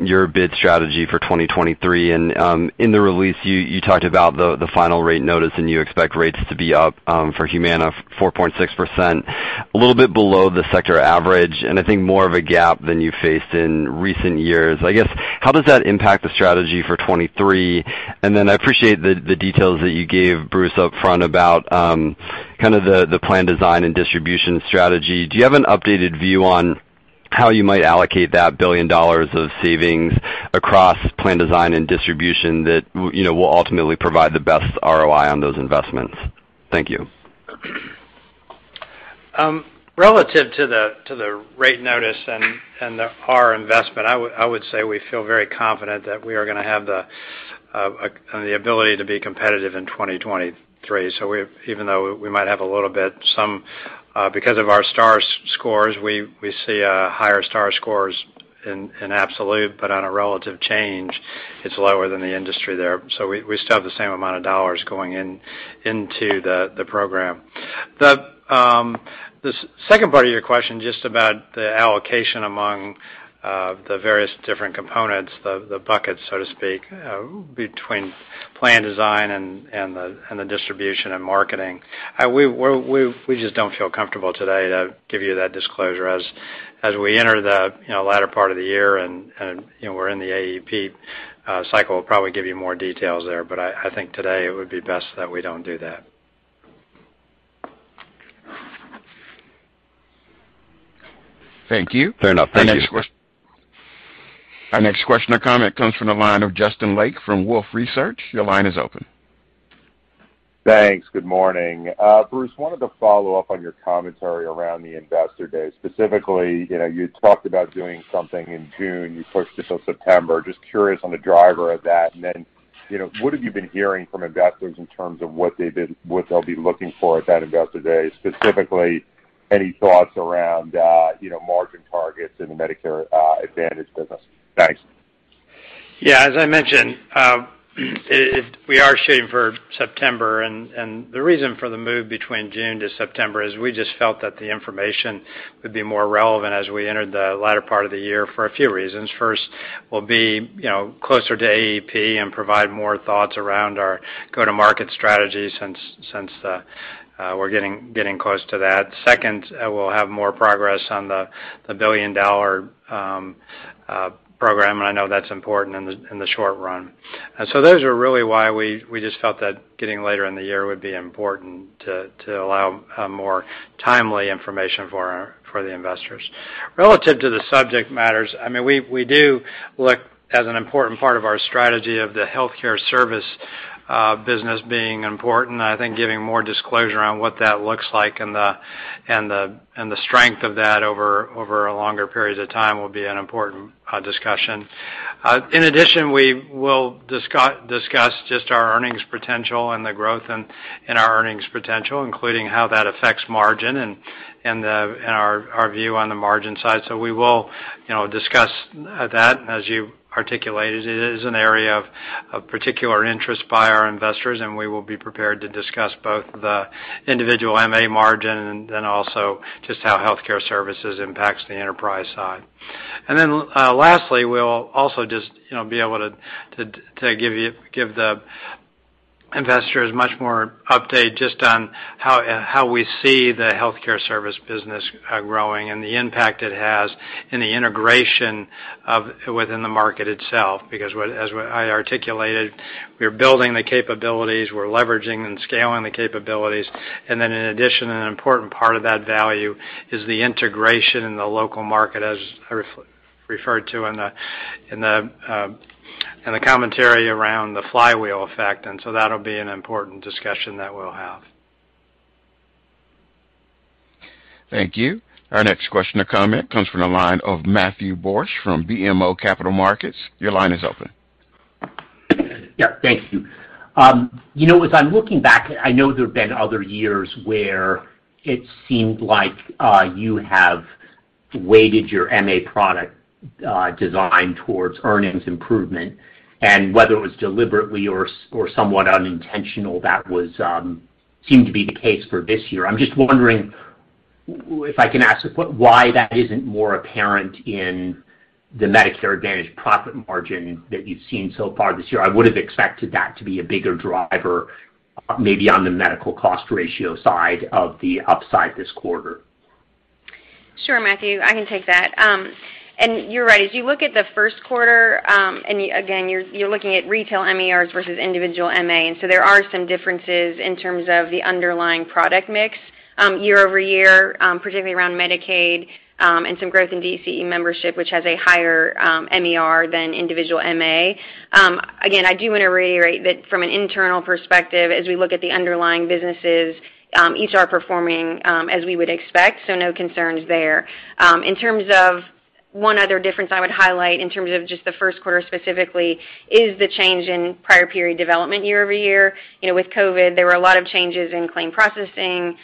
your bid strategy for 2023, and in the release you talked about the final rate notice, and you expect rates to be up for Humana 4.6%, a little bit below the sector average, and I think more of a gap than you faced in recent years. I guess, how does that impact the strategy for 2023? And then I appreciate the details that you gave Bruce upfront about kind of the plan design and distribution strategy. Do you have an updated view on how you might allocate that $1 billion of savings across plan design and distribution that you know will ultimately provide the best ROI on those investments? Thank you. Relative to the rate notice and our investment, I would say we feel very confident that we are gonna have the ability to be competitive in 2023. Even though we might have a little bit some because of our Star scores, we see higher Star scores in absolute, but on a relative change, it's lower than the industry there. We still have the same amount of dollars going in into the program. The second part of your question, just about the allocation among the various different components, the buckets, so to speak, between plan design and the distribution and marketing. We just don't feel comfortable today to give you that disclosure. As we enter the, you know, latter part of the year and, you know, we're in the AEP cycle, we'll probably give you more details there, but I think today it would be best that we don't do that. Thank you. Fair enough. Thank you. Our next question or comment comes from the line of Justin Lake from Wolfe Research. Your line is open. Thanks. Good morning. Bruce, wanted to follow up on your commentary around the Investor Day. Specifically, you know, you talked about doing something in June. You pushed it till September. Just curious on the driver of that. You know, what have you been hearing from investors in terms of what they'll be looking for at that Investor Day? Specifically, any thoughts around, you know, margin targets in the Medicare Advantage business? Thanks. Yeah, as I mentioned, we are shooting for September, and the reason for the move between June to September is we just felt that the information would be more relevant as we entered the latter part of the year for a few reasons. First, we'll be, you know, closer to AEP and provide more thoughts around our go-to-market strategy since we're getting close to that. Second, we'll have more progress on the billion-dollar program, and I know that's important in the short run. Those are really why we just felt that getting later in the year would be important to allow more timely information for the investors. Relative to the subject matters, I mean, we do look at an important part of our strategy of the healthcare services business being important. I think giving more disclosure on what that looks like and the strength of that over longer periods of time will be an important discussion. In addition, we will discuss just our earnings potential and the growth in our earnings potential, including how that affects margin and our view on the margin side. We will discuss that. As you articulated, it is an area of particular interest by our investors, and we will be prepared to discuss both the individual MA margin and also just how healthcare services impacts the enterprise side. Last, we'll also just, you know, be able to give the investors much more update just on how we see the healthcare service business growing and the impact it has in the integration of within the market itself. Because, as what I articulated, we're building the capabilities, we're leveraging and scaling the capabilities, and then in addition, an important part of that value is the integration in the local market, as I referred to in the commentary around the flywheel effect. That'll be an important discussion that we'll have. Thank you. Our next question or comment comes from the line of Matthew Borsch from BMO Capital Markets. Your line is open. Yeah. Thank you. You know, as I'm looking back, I know there have been other years where it seemed like you have weighted your MA product design towards earnings improvement. Whether it was deliberately or somewhat unintentional, that seemed to be the case for this year. I'm just wondering if I can ask what, why that isn't more apparent in the Medicare Advantage profit margin that you've seen so far this year? I would have expected that to be a bigger driver, maybe on the medical cost ratio side of the upside this quarter. Sure, Matthew, I can take that. You're right. As you look at the Q1, and again, you're looking at retail MERs versus individual MA. There are some differences in terms of the underlying product mix, year over year, particularly around Medicaid, and some growth in DCE membership, which has a higher MER than individual MA. Again, I do wanna reiterate that from an internal perspective, as we look at the underlying businesses, each are performing as we would expect, so no concerns there. In terms of one other difference I would highlight in terms of just the Q1 specifically is the change in prior period development year over year. You know, with COVID, there were a lot of changes in claim processing,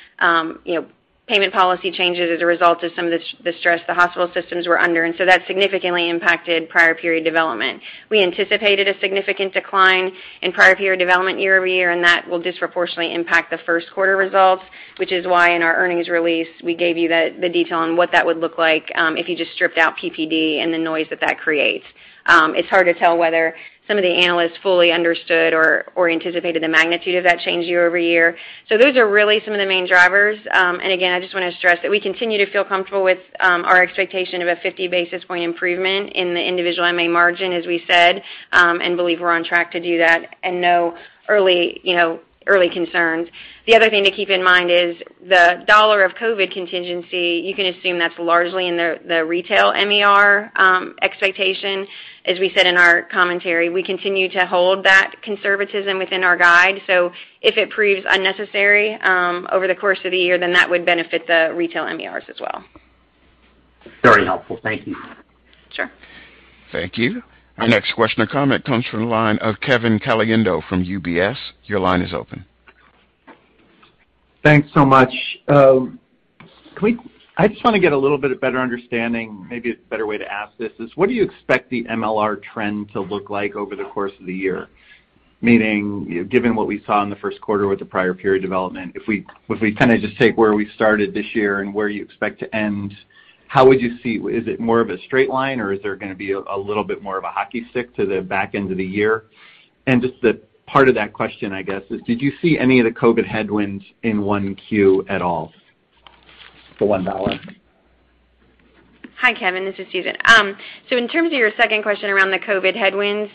payment policy changes as a result of some of the stress the hospital systems were under, and so that significantly impacted prior period development. We anticipated a significant decline in prior period development year-over-year, and that will disproportionately impact the Q1 results, which is why in our earnings release, we gave you the detail on what that would look like, if you just stripped out PPD and the noise that that creates. It's hard to tell whether some of the analysts fully understood or anticipated the magnitude of that change year-over-year. Those are really some of the main drivers. I just wanna stress that we continue to feel comfortable with our expectation of a 50 basis point improvement in the individual MA margin, as we said, and believe we're on track to do that and no early, you know, early concerns. The other thing to keep in mind is the $1 of COVID contingency. You can assume that's largely in the retail MER expectation. As we said in our commentary, we continue to hold that conservatism within our guide. If it proves unnecessary over the course of the year, then that would benefit the retail MERs as well. Very helpful. Thank you. Sure. Thank you. Our next question or comment comes from the line of Kevin Caliendo from UBS. Your line is open. Thanks so much. I just wanna get a little bit of better understanding, maybe a better way to ask this is, what do you expect the MLR trend to look like over the course of the year? Meaning, given what we saw in the Q1 with the prior period development, if we kinda just take where we started this year and where you expect to end, how would you see it? Is it more of a straight line, or is there gonna be a little bit more of a hockey stick to the back end of the year? Just the part of that question, I guess, is, did you see any of the COVID headwinds in 1Q at all for MLR? Hi, Kevin. This is Susan. In terms of your second question around the COVID headwinds,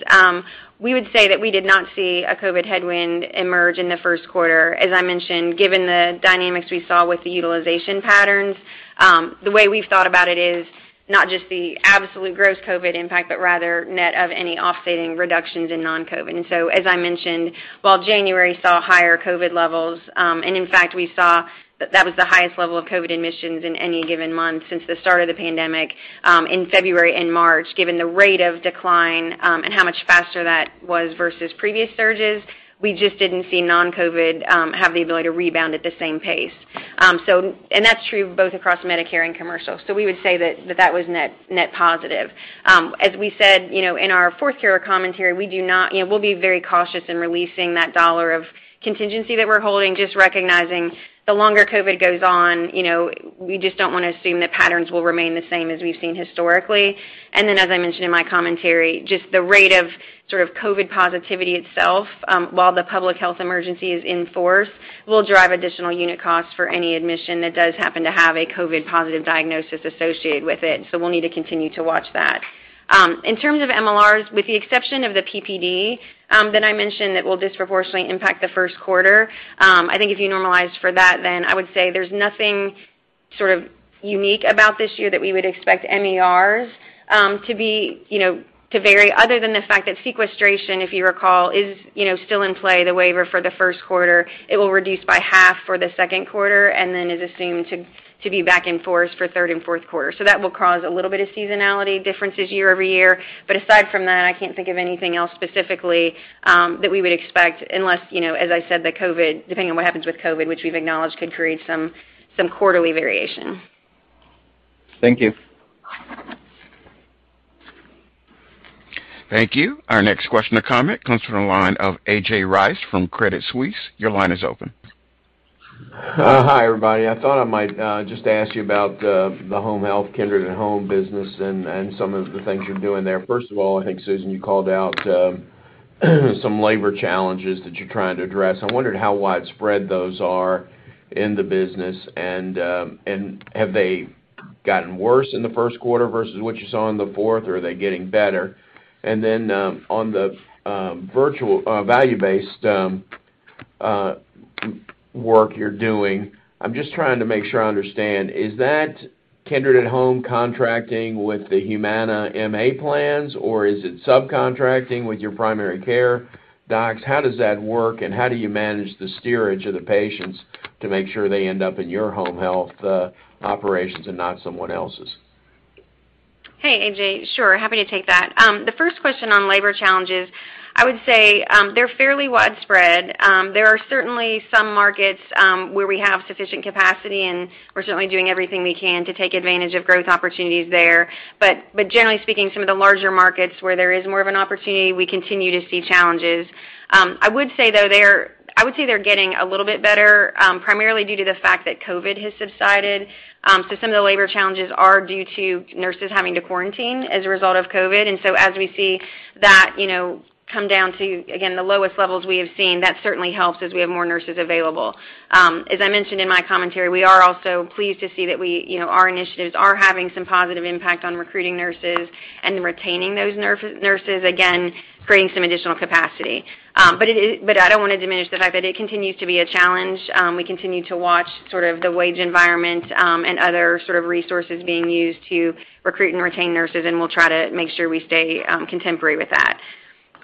we would say that we did not see a COVID headwind emerge in the Q1. As I mentioned, given the dynamics we saw with the utilization patterns, the way we've thought about it is not just the absolute gross COVID impact, but rather net of any offsetting reductions in non-COVID. As I mentioned, while January saw higher COVID levels, and in fact, we saw that that was the highest level of COVID admissions in any given month since the start of the pandemic, in February and March. Given the rate of decline, and how much faster that was versus previous surges, we just didn't see non-COVID have the ability to rebound at the same pace. That's true both across Medicare and commercial. We would say that was net positive. As we said, you know, in our Q4 commentary, you know, we'll be very cautious in releasing that dollar of contingency that we're holding, just recognizing the longer COVID goes on, you know, we just don't wanna assume that patterns will remain the same as we've seen historically. Then, as I mentioned in my commentary, just the rate of sort of COVID positivity itself, while the public health emergency is in force, will drive additional unit costs for any admission that does happen to have a COVID positive diagnosis associated with it. We'll need to continue to watch that. In terms of MLRs, with the exception of the PPD that I mentioned, that will disproportionately impact the Q1. I think if you normalized for that, then I would say there's nothing sort of unique about this year that we would expect MERs to be, you know, to vary other than the fact that sequestration, if you recall, is, you know, still in play, the waiver for the Q1. It will reduce by half for the Q2 and then is assumed to be back in force for Q3 and Q4. That will cause a little bit of seasonality differences year-over-year. Aside from that, I can't think of anything else specifically that we would expect unless, you know, as I said, the COVID, depending on what happens with COVID, which we've acknowledged could create some quarterly variation. Thank you. Thank you. Our next question or comment comes from the line of A.J. Rice from Credit Suisse. Your line is open. Hi, everybody. I thought I might just ask you about the home health Kindred at Home business and some of the things you're doing there. First of all, I think, Susan, you called out some labor challenges that you're trying to address. I wondered how widespread those are in the business, and have they gotten worse in the Q1 versus what you saw in the fourth, or are they getting better? On the virtual value-based work you're doing, I'm just trying to make sure I understand. Is that Kindred at Home contracting with the Humana MA plans, or is it subcontracting with your primary care docs? How does that work, and how do you manage the steerage of the patients to make sure they end up in your home health operations and not someone else's? Hey, A.J. Sure. Happy to take that. The first question on labor challenges, I would say, they're fairly widespread. There are certainly some markets where we have sufficient capacity, and we're certainly doing everything we can to take advantage of growth opportunities there. But generally speaking, some of the larger markets where there is more of an opportunity, we continue to see challenges. I would say though they're getting a little bit better, primarily due to the fact that COVID has subsided. So some of the labor challenges are due to nurses having to quarantine as a result of COVID. As we see that, you know, come down to, again, the lowest levels we have seen, that certainly helps as we have more nurses available. As I mentioned in my commentary, we are also pleased to see that we, you know, our initiatives are having some positive impact on recruiting nurses and then retaining those nurses, again, creating some additional capacity. I don't wanna diminish the fact that it continues to be a challenge. We continue to watch sort of the wage environment, and other sort of resources being used to recruit and retain nurses, and we'll try to make sure we stay, contemporary with that.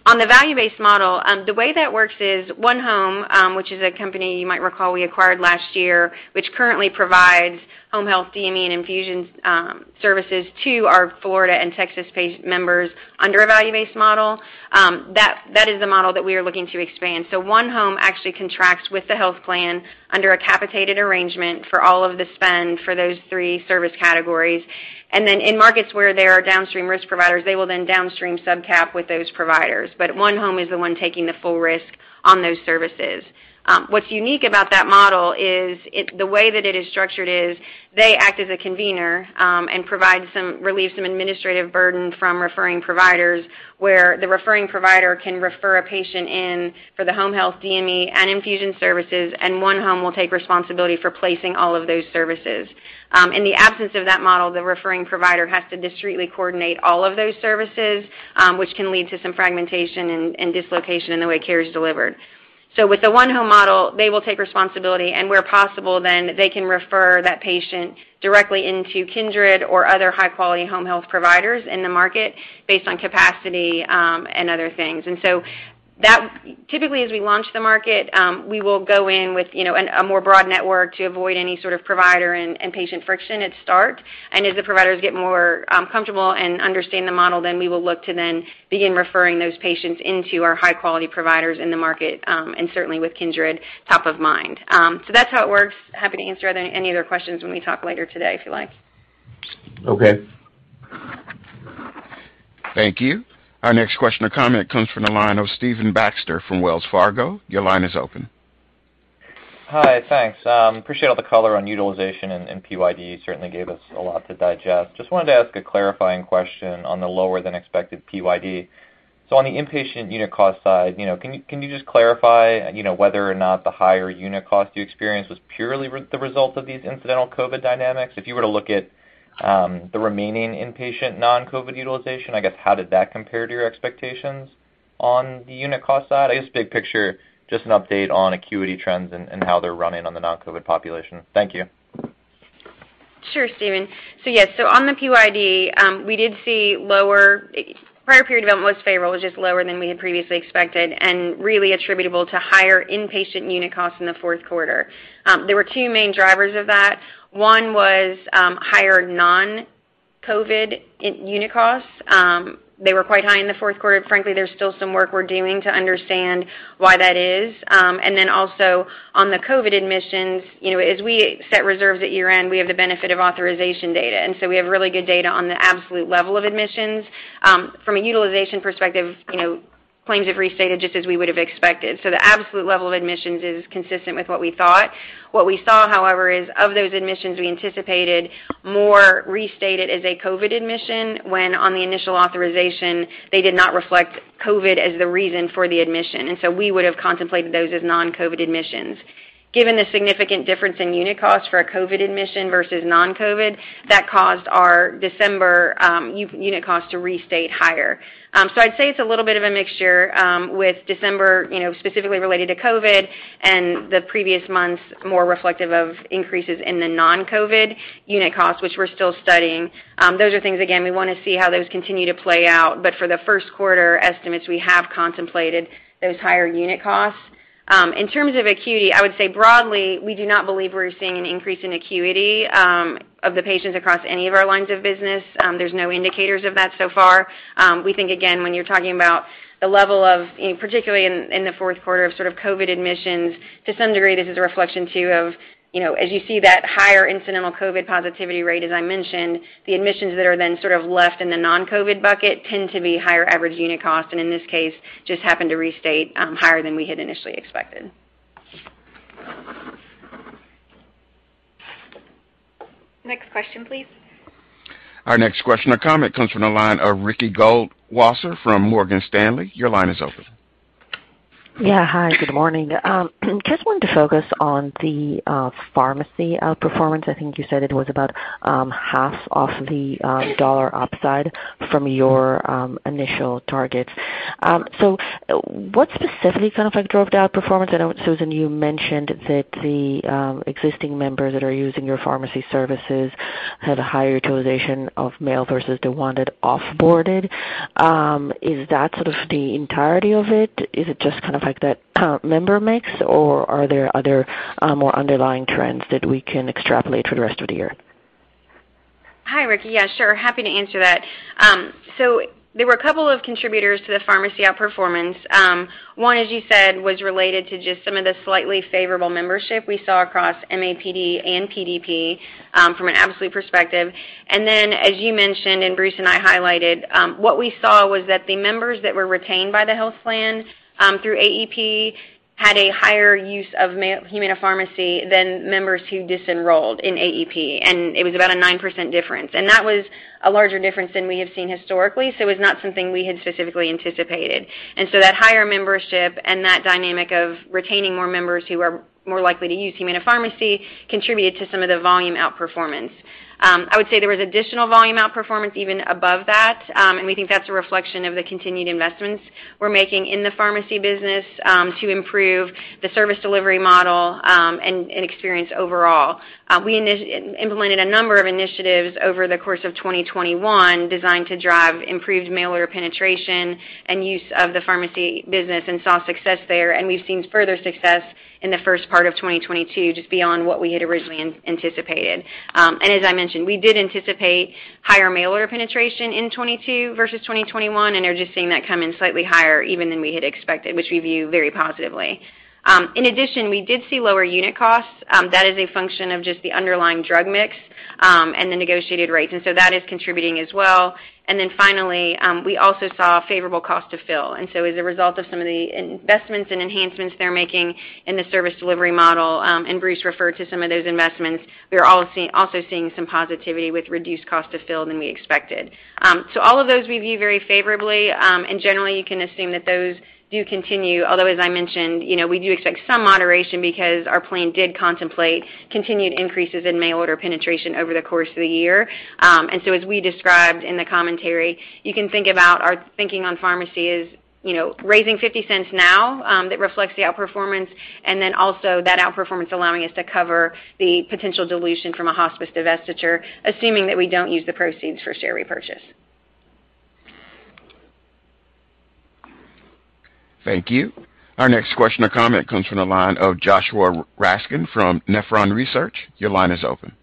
On the value-based model, the way that works is oneHome, which is a company you might recall we acquired last year, which currently provides home health DME and infusion, services to our Florida and Texas-based members under a value-based model. That is the model that we are looking to expand. OneHome actually contracts with the health plan under a capitated arrangement for all of the spend for those three service categories. In markets where there are downstream risk providers, they will then downstream sub-cap with those providers. OneHome is the one taking the full risk on those services. What's unique about that model is the way that it is structured is they act as a convener and relieve some administrative burden from referring providers, where the referring provider can refer a patient in for the home health DME and infusion services, and oneHome will take responsibility for placing all of those services. In the absence of that model, the referring provider has to discretely coordinate all of those services, which can lead to some fragmentation and dislocation in the way care is delivered. With the onehome model, they will take responsibility, and where possible then, they can refer that patient directly into Kindred or other high-quality home health providers in the market based on capacity, and other things. That, typically, as we launch the market, we will go in with, you know, a more broad network to avoid any sort of provider and patient friction at start. As the providers get more comfortable and understand the model, then we will look to then begin referring those patients into our high-quality providers in the market, and certainly with Kindred top of mind. That's how it works. Happy to answer any other questions when we talk later today, if you like. Okay. Thank you. Our next question or comment comes from the line of Stephen Baxter from Wells Fargo. Your line is open. Hi. Thanks. Appreciate all the color on utilization and PYD. Certainly gave us a lot to digest. Just wanted to ask a clarifying question on the lower than expected PYD. On the inpatient unit cost side, you know, can you just clarify, you know, whether or not the higher unit cost you experienced was purely the result of these incidental COVID dynamics? If you were to look at the remaining inpatient non-COVID utilization, I guess, how did that compare to your expectations on the unit cost side? I guess big picture, just an update on acuity trends and how they're running on the non-COVID population. Thank you. Sure, Stephen. Yes, so on the PYD, we did see lower. Prior period was favorable, it was just lower than we had previously expected and really attributable to higher inpatient unit costs in the Q4. There were two main drivers of that. One was higher non-COVID inpatient unit costs. They were quite high in the Q4. Frankly, there's still some work we're doing to understand why that is. Also on the COVID admissions, you know, as we set reserves at year-end, we have the benefit of authorization data, and so we have really good data on the absolute level of admissions. From a utilization perspective, you know, claims have restated just as we would have expected. The absolute level of admissions is consistent with what we thought. What we saw, however, is of those admissions we anticipated more restated as a COVID admission, when on the initial authorization they did not reflect COVID as the reason for the admission. We would have contemplated those as non-COVID admissions. Given the significant difference in unit costs for a COVID admission versus non-COVID, that caused our December unit costs to restate higher. I'd say it's a little bit of a mixture, with December, you know, specifically related to COVID and the previous months more reflective of increases in the non-COVID unit costs, which we're still studying. Those are things, again, we wanna see how those continue to play out. For the Q1 estimates, we have contemplated those higher unit costs. In terms of acuity, I would say broadly, we do not believe we're seeing an increase in acuity of the patients across any of our lines of business. There's no indicators of that so far. We think, again, when you're talking about the level of, you know, particularly in the Q4 of sort of COVID admissions, to some degree, this is a reflection too of, you know, as you see that higher incidental COVID positivity rate, as I mentioned, the admissions that are then sort of left in the non-COVID bucket tend to be higher average unit cost, and in this case, just happened to restate higher than we had initially expected. Next question, please. Our next question or comment comes from the line of Ricky Goldwasser from Morgan Stanley. Your line is open. Yeah. Hi, good morning. Just wanted to focus on the pharmacy outperformance. I think you said it was about half of the dollar upside from your initial targets. What specifically kind of like drove the outperformance? I know, Susan, you mentioned that the existing members that are using your pharmacy services had a higher utilization of mail versus the one that off-boarded. Is that sort of the entirety of it? Is it just kind of like that member mix, or are there other more underlying trends that we can extrapolate for the rest of the year? Hi, Ricky. Yeah, sure. Happy to answer that. There were a couple of contributors to the pharmacy outperformance. One, as you said, was related to just some of the slightly favorable membership we saw across MAPD and PDP, from an absolute perspective. As you mentioned, and Bruce and I highlighted, what we saw was that the members that were retained by the health plan through AEP had a higher use of Humana Pharmacy than members who disenrolled in AEP, and it was about a 9% difference. That was a larger difference than we have seen historically, so it was not something we had specifically anticipated. That higher membership and that dynamic of retaining more members who are more likely to use Humana Pharmacy contributed to some of the volume outperformance. I would say there was additional volume outperformance even above that, and we think that's a reflection of the continued investments we're making in the pharmacy business, to improve the service delivery model, and experience overall. We implemented a number of initiatives over the course of 2021 designed to drive improved mail order penetration and use of the pharmacy business and saw success there, and we've seen further success in the first part of 2022, just beyond what we had originally anticipated. As I mentioned, we did anticipate higher mail order penetration in 2022 versus 2021, and are just seeing that come in slightly higher even than we had expected, which we view very positively. In addition, we did see lower unit costs. That is a function of just the underlying drug mix, and the negotiated rates, and so that is contributing as well. We also saw a favorable cost to fill. As a result of some of the investments and enhancements they're making in the service delivery model, and Bruce referred to some of those investments, we are also seeing some positivity with reduced cost to fill than we expected. All of those we view very favorably. Generally, you can assume that those do continue, although, as I mentioned, you know, we do expect some moderation because our plan did contemplate continued increases in mail order penetration over the course of the year. As we described in the commentary, you can think about our thinking on pharmacy is, you know, raising $0.50 now, that reflects the outperformance, and then also that outperformance allowing us to cover the potential dilution from a hospice divestiture, assuming that we don't use the proceeds for share repurchase. Thank you. Our next question or comment comes from the line of Joshua Raskin from Nephron Research. Your line is open.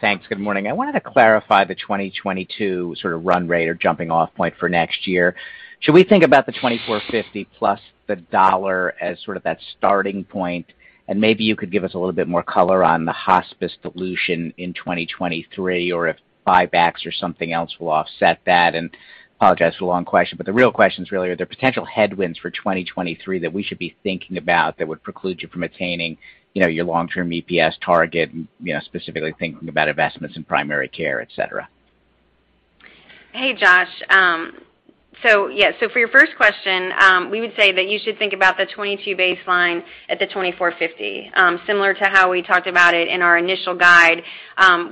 Thanks. Good morning. I wanted to clarify the 2022 sort of run rate or jumping off point for next year. Should we think about the $24.50 + $1 as sort of that starting point? Maybe you could give us a little bit more color on the hospice dilution in 2023, or if buybacks or something else will offset that. Apologize for the long question, but the real questions really are there potential headwinds for 2023 that we should be thinking about that would preclude you from attaining, you know, your long-term EPS target and, you know, specifically thinking about investments in primary care, et cetera? Hey, Josh. For your first question, we would say that you should think about the 2022 baseline at the $24.50. Similar to how we talked about it in our initial guide,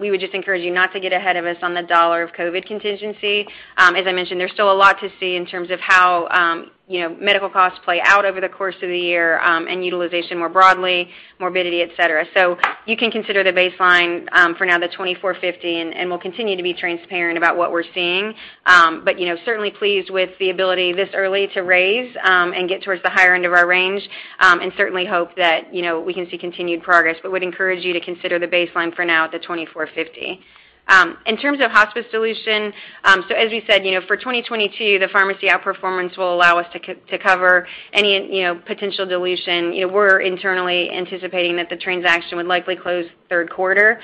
we would just encourage you not to get ahead of us on the dollar of COVID contingency. As I mentioned, there's still a lot to see in terms of how, you know, medical costs play out over the course of the year, and utilization more broadly, morbidity, et cetera. You can consider the baseline, for now the $24.50, and we'll continue to be transparent about what we're seeing. You know, certainly pleased with the ability this early to raise and get towards the higher end of our range, and certainly hope that, you know, we can see continued progress, but would encourage you to consider the baseline for now at the $24.50. In terms of hospice dilution, as we said, you know, for 2022, the pharmacy outperformance will allow us to cover any, you know, potential dilution. You know, we're internally anticipating that the transaction would likely close Q3.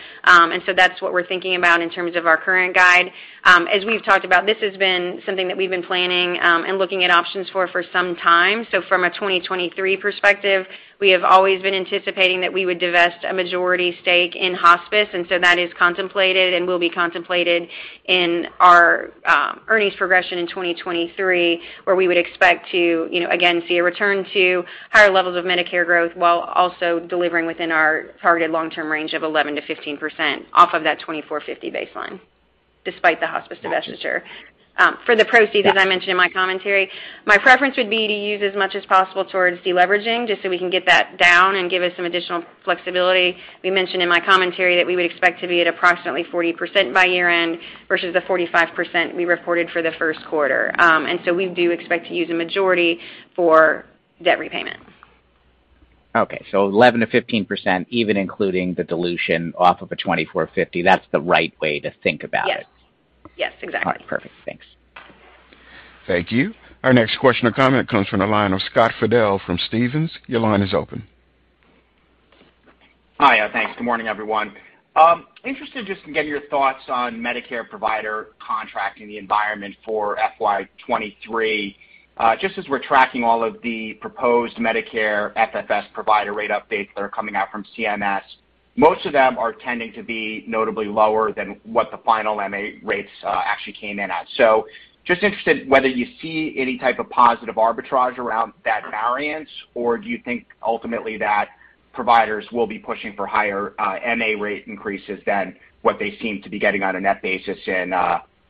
That's what we're thinking about in terms of our current guide. As we've talked about, this has been something that we've been planning and looking at options for some time. From a 2023 perspective, we have always been anticipating that we would divest a majority stake in hospice, and so that is contemplated and will be contemplated in our earnings progression in 2023, where we would expect to, you know, again, see a return to higher levels of Medicare growth while also delivering within our targeted long-term range of 11%-15% off of that $24.50 baseline, despite the hospice divestiture. For the proceeds, as I mentioned in my commentary, my preference would be to use as much as possible towards deleveraging, just so we can get that down and give us some additional flexibility. We mentioned in my commentary that we would expect to be at approximately 40% by year-end versus the 45% we reported for the Q1. We do expect to use a majority for debt repayment. Okay. 11%-15%, even including the dilution off of a $24.50. That's the right way to think about it? Yes. Yes, exactly. All right, perfect. Thanks. Thank you. Our next question or comment comes from the line of Scott Fidel from Stephens. Your line is open. Hi, thanks. Good morning, everyone. Interested just in getting your thoughts on Medicare provider contracting the environment for FY 2023. Just as we're tracking all of the proposed Medicare FFS provider rate updates that are coming out from CMS, most of them are tending to be notably lower than what the final MA rates actually came in at. Just interested whether you see any type of positive arbitrage around that variance, or do you think ultimately that providers will be pushing for higher MA rate increases than what they seem to be getting on a net basis in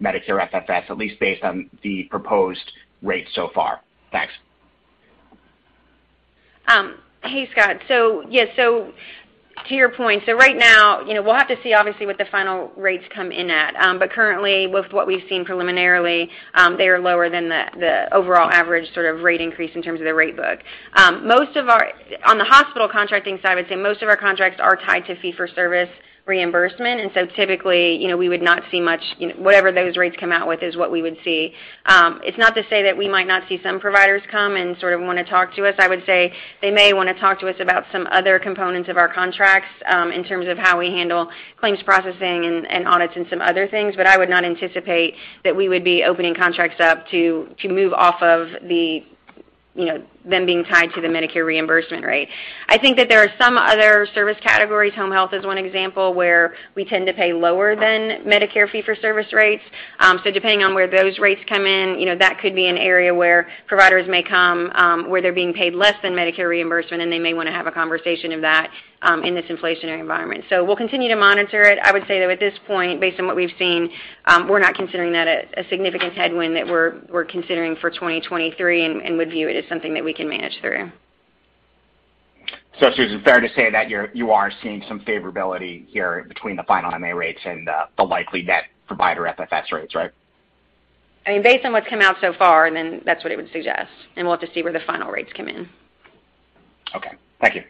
Medicare FFS, at least based on the proposed rates so far? Hey, Scott. Yeah, to your point, right now, you know, we'll have to see obviously what the final rates come in at. Currently, with what we've seen preliminarily, they are lower than the overall average sort of rate increase in terms of the rate book. On the hospital contracting side, I would say most of our contracts are tied to fee-for-service reimbursement, and so typically, you know, we would not see much, you know, whatever those rates come out with is what we would see. It's not to say that we might not see some providers come and sort of wanna talk to us. I would say they may wanna talk to us about some other components of our contracts, in terms of how we handle claims processing and audits and some other things. I would not anticipate that we would be opening contracts up to move off of them, you know, being tied to the Medicare reimbursement rate. I think that there are some other service categories, home health is one example, where we tend to pay lower than Medicare fee-for-service rates. Depending on where those rates come in, you know, that could be an area where providers may come where they're being paid less than Medicare reimbursement, and they may wanna have a conversation of that in this inflationary environment. We'll continue to monitor it. I would say that at this point, based on what we've seen, we're not considering that a significant headwind that we're considering for 2023 and would view it as something that we can manage through. Susan, fair to say that you are seeing some favorability here between the final MA rates and the likely net provider FFS rates, right? I mean, based on what's come out so far, and then that's what it would suggest, and we'll have to see where the final rates come in. Okay. Thank you.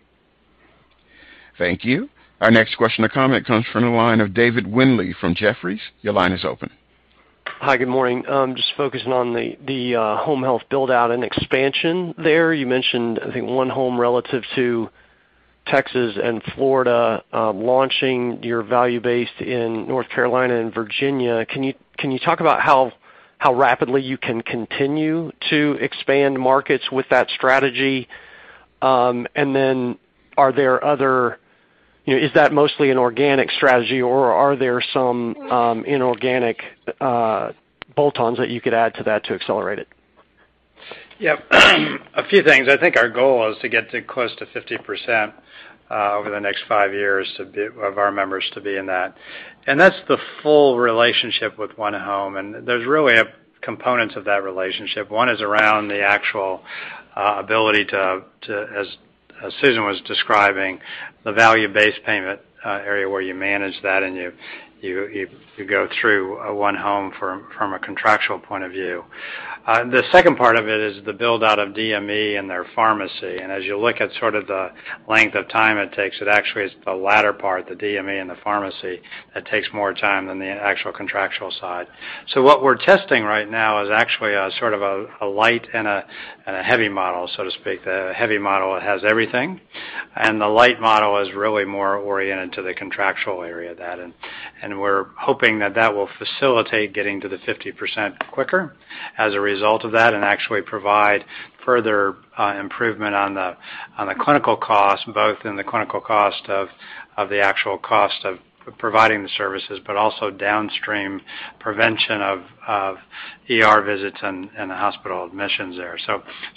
Thank you. Our next question or comment comes from the line of David Windley from Jefferies. Your line is open. Hi, good morning. Just focusing on the home health build-out and expansion there. You mentioned, I think, onehome relative to Texas and Florida, launching your value-based in North Carolina and Virginia. Can you talk about how rapidly you can continue to expand markets with that strategy? You know, is that mostly an organic strategy, or are there some inorganic bolt-ons that you could add to that to accelerate it? Yep. A few things. I think our goal is to get to close to 50%, over the next five years, of our members to be in that. That's the full relationship with oneHome, and there's really a components of that relationship. One is around the actual ability to, as Susan was describing, the value-based payment area where you manage that and you go through oneHome from a contractual point of view. The second part of it is the build-out of DME and their pharmacy. As you look at sort of the length of time it takes, it actually is the latter part, the DME and the pharmacy, that takes more time than the actual contractual side. What we're testing right now is actually a sort of a light and a heavy model, so to speak. The heavy model has everything, and the light model is really more oriented to the contractual area of that. We're hoping that will facilitate getting to the 50% quicker as a result of that and actually provide further improvement on the clinical cost, both in the clinical cost of the actual cost of providing the services, but also downstream prevention of ER visits and hospital admissions there.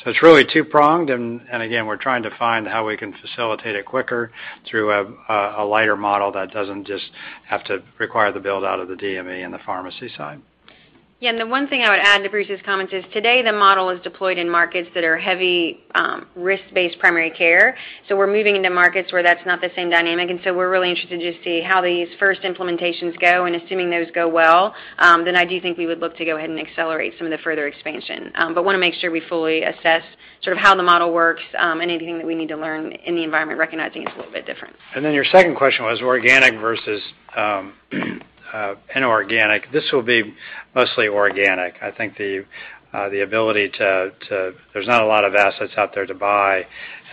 It's really two-pronged, and again, we're trying to find how we can facilitate it quicker through a lighter model that doesn't just have to require the build-out of the DME and the pharmacy side. Yeah. The one thing I would add to Bruce's comment is today the model is deployed in markets that are heavy, risk-based primary care. We're moving into markets where that's not the same dynamic, and so we're really interested to see how these first implementations go. Assuming those go well, then I do think we would look to go ahead and accelerate some of the further expansion. Wanna make sure we fully assess sort of how the model works, and anything that we need to learn in the environment, recognizing it's a little bit different. Your second question was organic versus inorganic. This will be mostly organic. I think there's not a lot of assets out there to buy.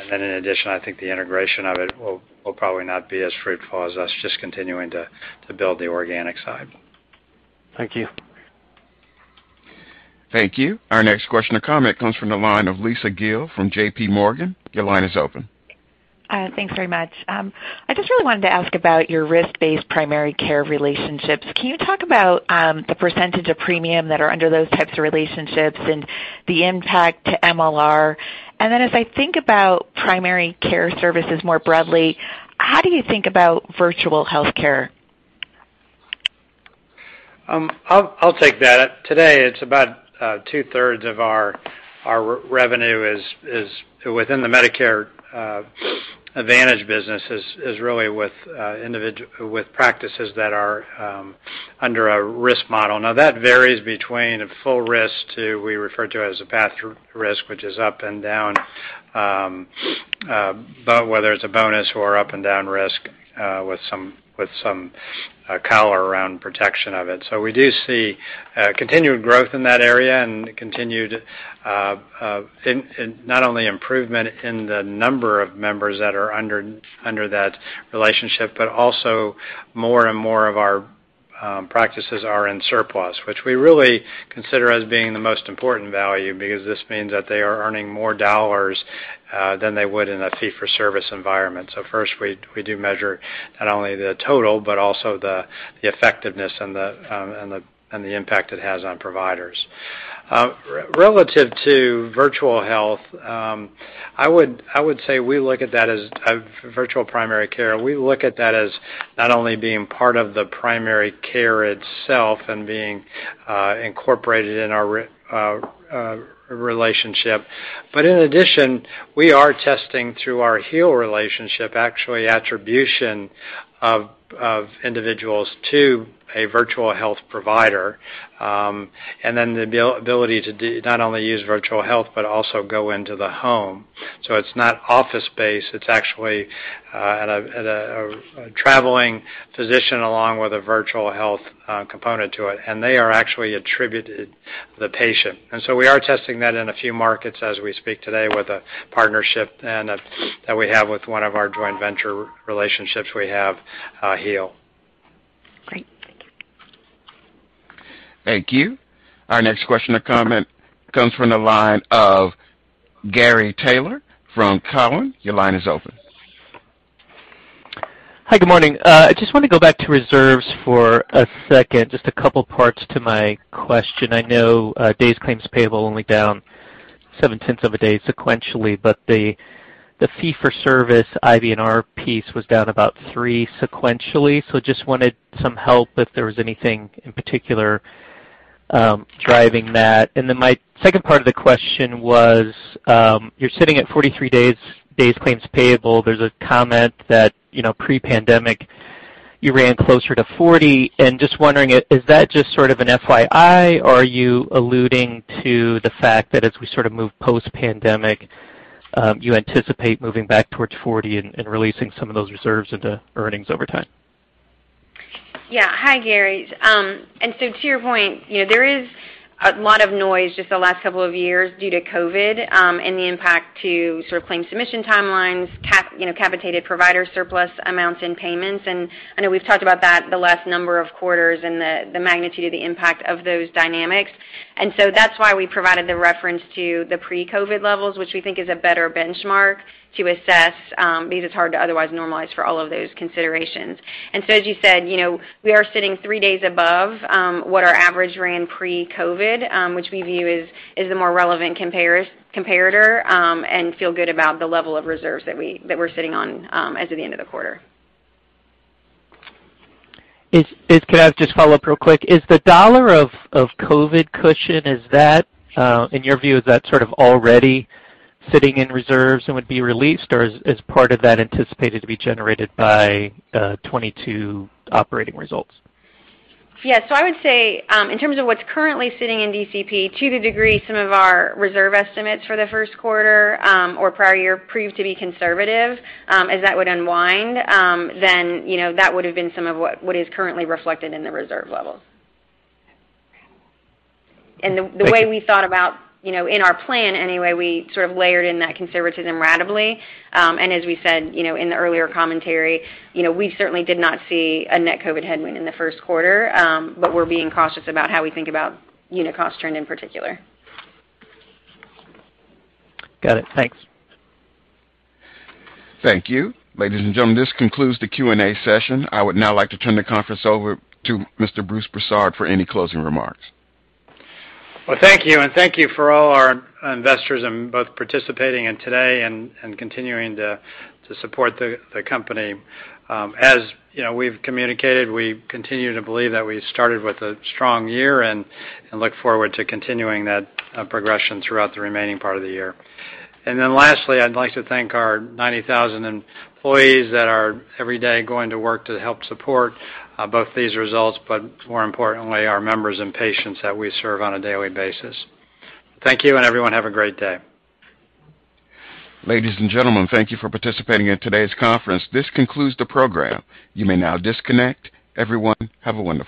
In addition, I think the integration of it will probably not be as fruitful as us just continuing to build the organic side. Thank you. Thank you. Our next question or comment comes from the line of Lisa Gill from JPMorgan. Your line is open. Thanks very much. I just really wanted to ask about your risk-based primary care relationships. Can you talk about the percentage of premium that are under those types of relationships and the impact to MLR? If I think about primary care services more broadly, how do you think about virtual healthcare? I'll take that. Today, it's about two-thirds of our revenue is within the Medicare Advantage business is really with practices that are under a risk model. Now, that varies between a full risk to we refer to as a path risk, which is up and down, but whether it's a bonus or up and down risk, with some collar around protection of it. We do see continued growth in that area and continued not only improvement in the number of members that are under that relationship, but also more and more of our practices are in surplus, which we really consider as being the most important value because this means that they are earning more dollars than they would in a fee-for-service environment. First, we do measure not only the total, but also the effectiveness and the impact it has on providers. Relative to virtual health, I would say we look at that as a virtual primary care. We look at that as not only being part of the primary care itself and being incorporated in our relationship. In addition, we are testing through our Heal relationship, actually attribution of individuals to a virtual health provider. Then the ability to not only use virtual health but also go into the home. It's not office space, it's actually a traveling physician along with a virtual health component to it, and they are actually attributed the patient. We are testing that in a few markets as we speak today with a partnership that we have with one of our joint venture relationships we have, Heal. Thank you. Our next question or comment comes from the line of Gary Taylor from Cowen. Your line is open. Hi. Good morning. I just wanna go back to reserves for a second. Just a couple parts to my question. I know, days claims payable only down 0.7 of a day sequentially, but the fee for service, IBNR piece was down about three sequentially. Just wanted some help if there was anything in particular driving that. Then my second part of the question was, you're sitting at 43 days claims payable. There's a comment that, you know, pre-pandemic you ran closer to 40. Just wondering, is that just sort of an FYI, or are you alluding to the fact that as we sort of move post-pandemic, you anticipate moving back towards 40 and releasing some of those reserves into earnings over time? Yeah. Hi, Gary. To your point, you know, there is a lot of noise just the last couple of years due to COVID, and the impact to sort of claim submission timelines, you know, capitated provider surplus amounts and payments. I know we've talked about that the last number of quarters and the magnitude of the impact of those dynamics. That's why we provided the reference to the pre-COVID levels, which we think is a better benchmark to assess, because it's hard to otherwise normalize for all of those considerations. As you said, you know, we are sitting three days above what our average ran pre-COVID, which we view as a more relevant comparator, and feel good about the level of reserves that we're sitting on as of the end of the quarter. Could I just follow up real quick? Is the dollar of COVID cushion in your view sort of already sitting in reserves and would be released, or is part of that anticipated to be generated by 2022 operating results? Yeah. I would say, in terms of what's currently sitting in DCP, to the degree some of our reserve estimates for the Q1, or prior year proved to be conservative, as that would unwind, then, you know, that would have been some of what is currently reflected in the reserve levels. Thank you. The way we thought about, you know, in our plan anyway, we sort of layered in that conservatism ratably. As we said, you know, in the earlier commentary, you know, we certainly did not see a net COVID headwind in the Q1, but we're being cautious about how we think about unit cost trend in particular. Got it. Thanks. Thank you. Ladies and gentlemen, this concludes the Q&A session. I would now like to turn the conference over to Mr. Bruce Broussard for any closing remarks. Well, thank you, and thank you for all our investors both participating today and continuing to support the company. As you know, we've communicated, we continue to believe that we started with a strong year and look forward to continuing that progression throughout the remaining part of the year. Then lastly, I'd like to thank our 90,000 employees that are every day going to work to help support both these results, but more importantly, our members and patients that we serve on a daily basis. Thank you, and everyone have a great day. Ladies and gentlemen, thank you for participating in today's conference. This concludes the program. You may now disconnect. Everyone, have a wonderful day.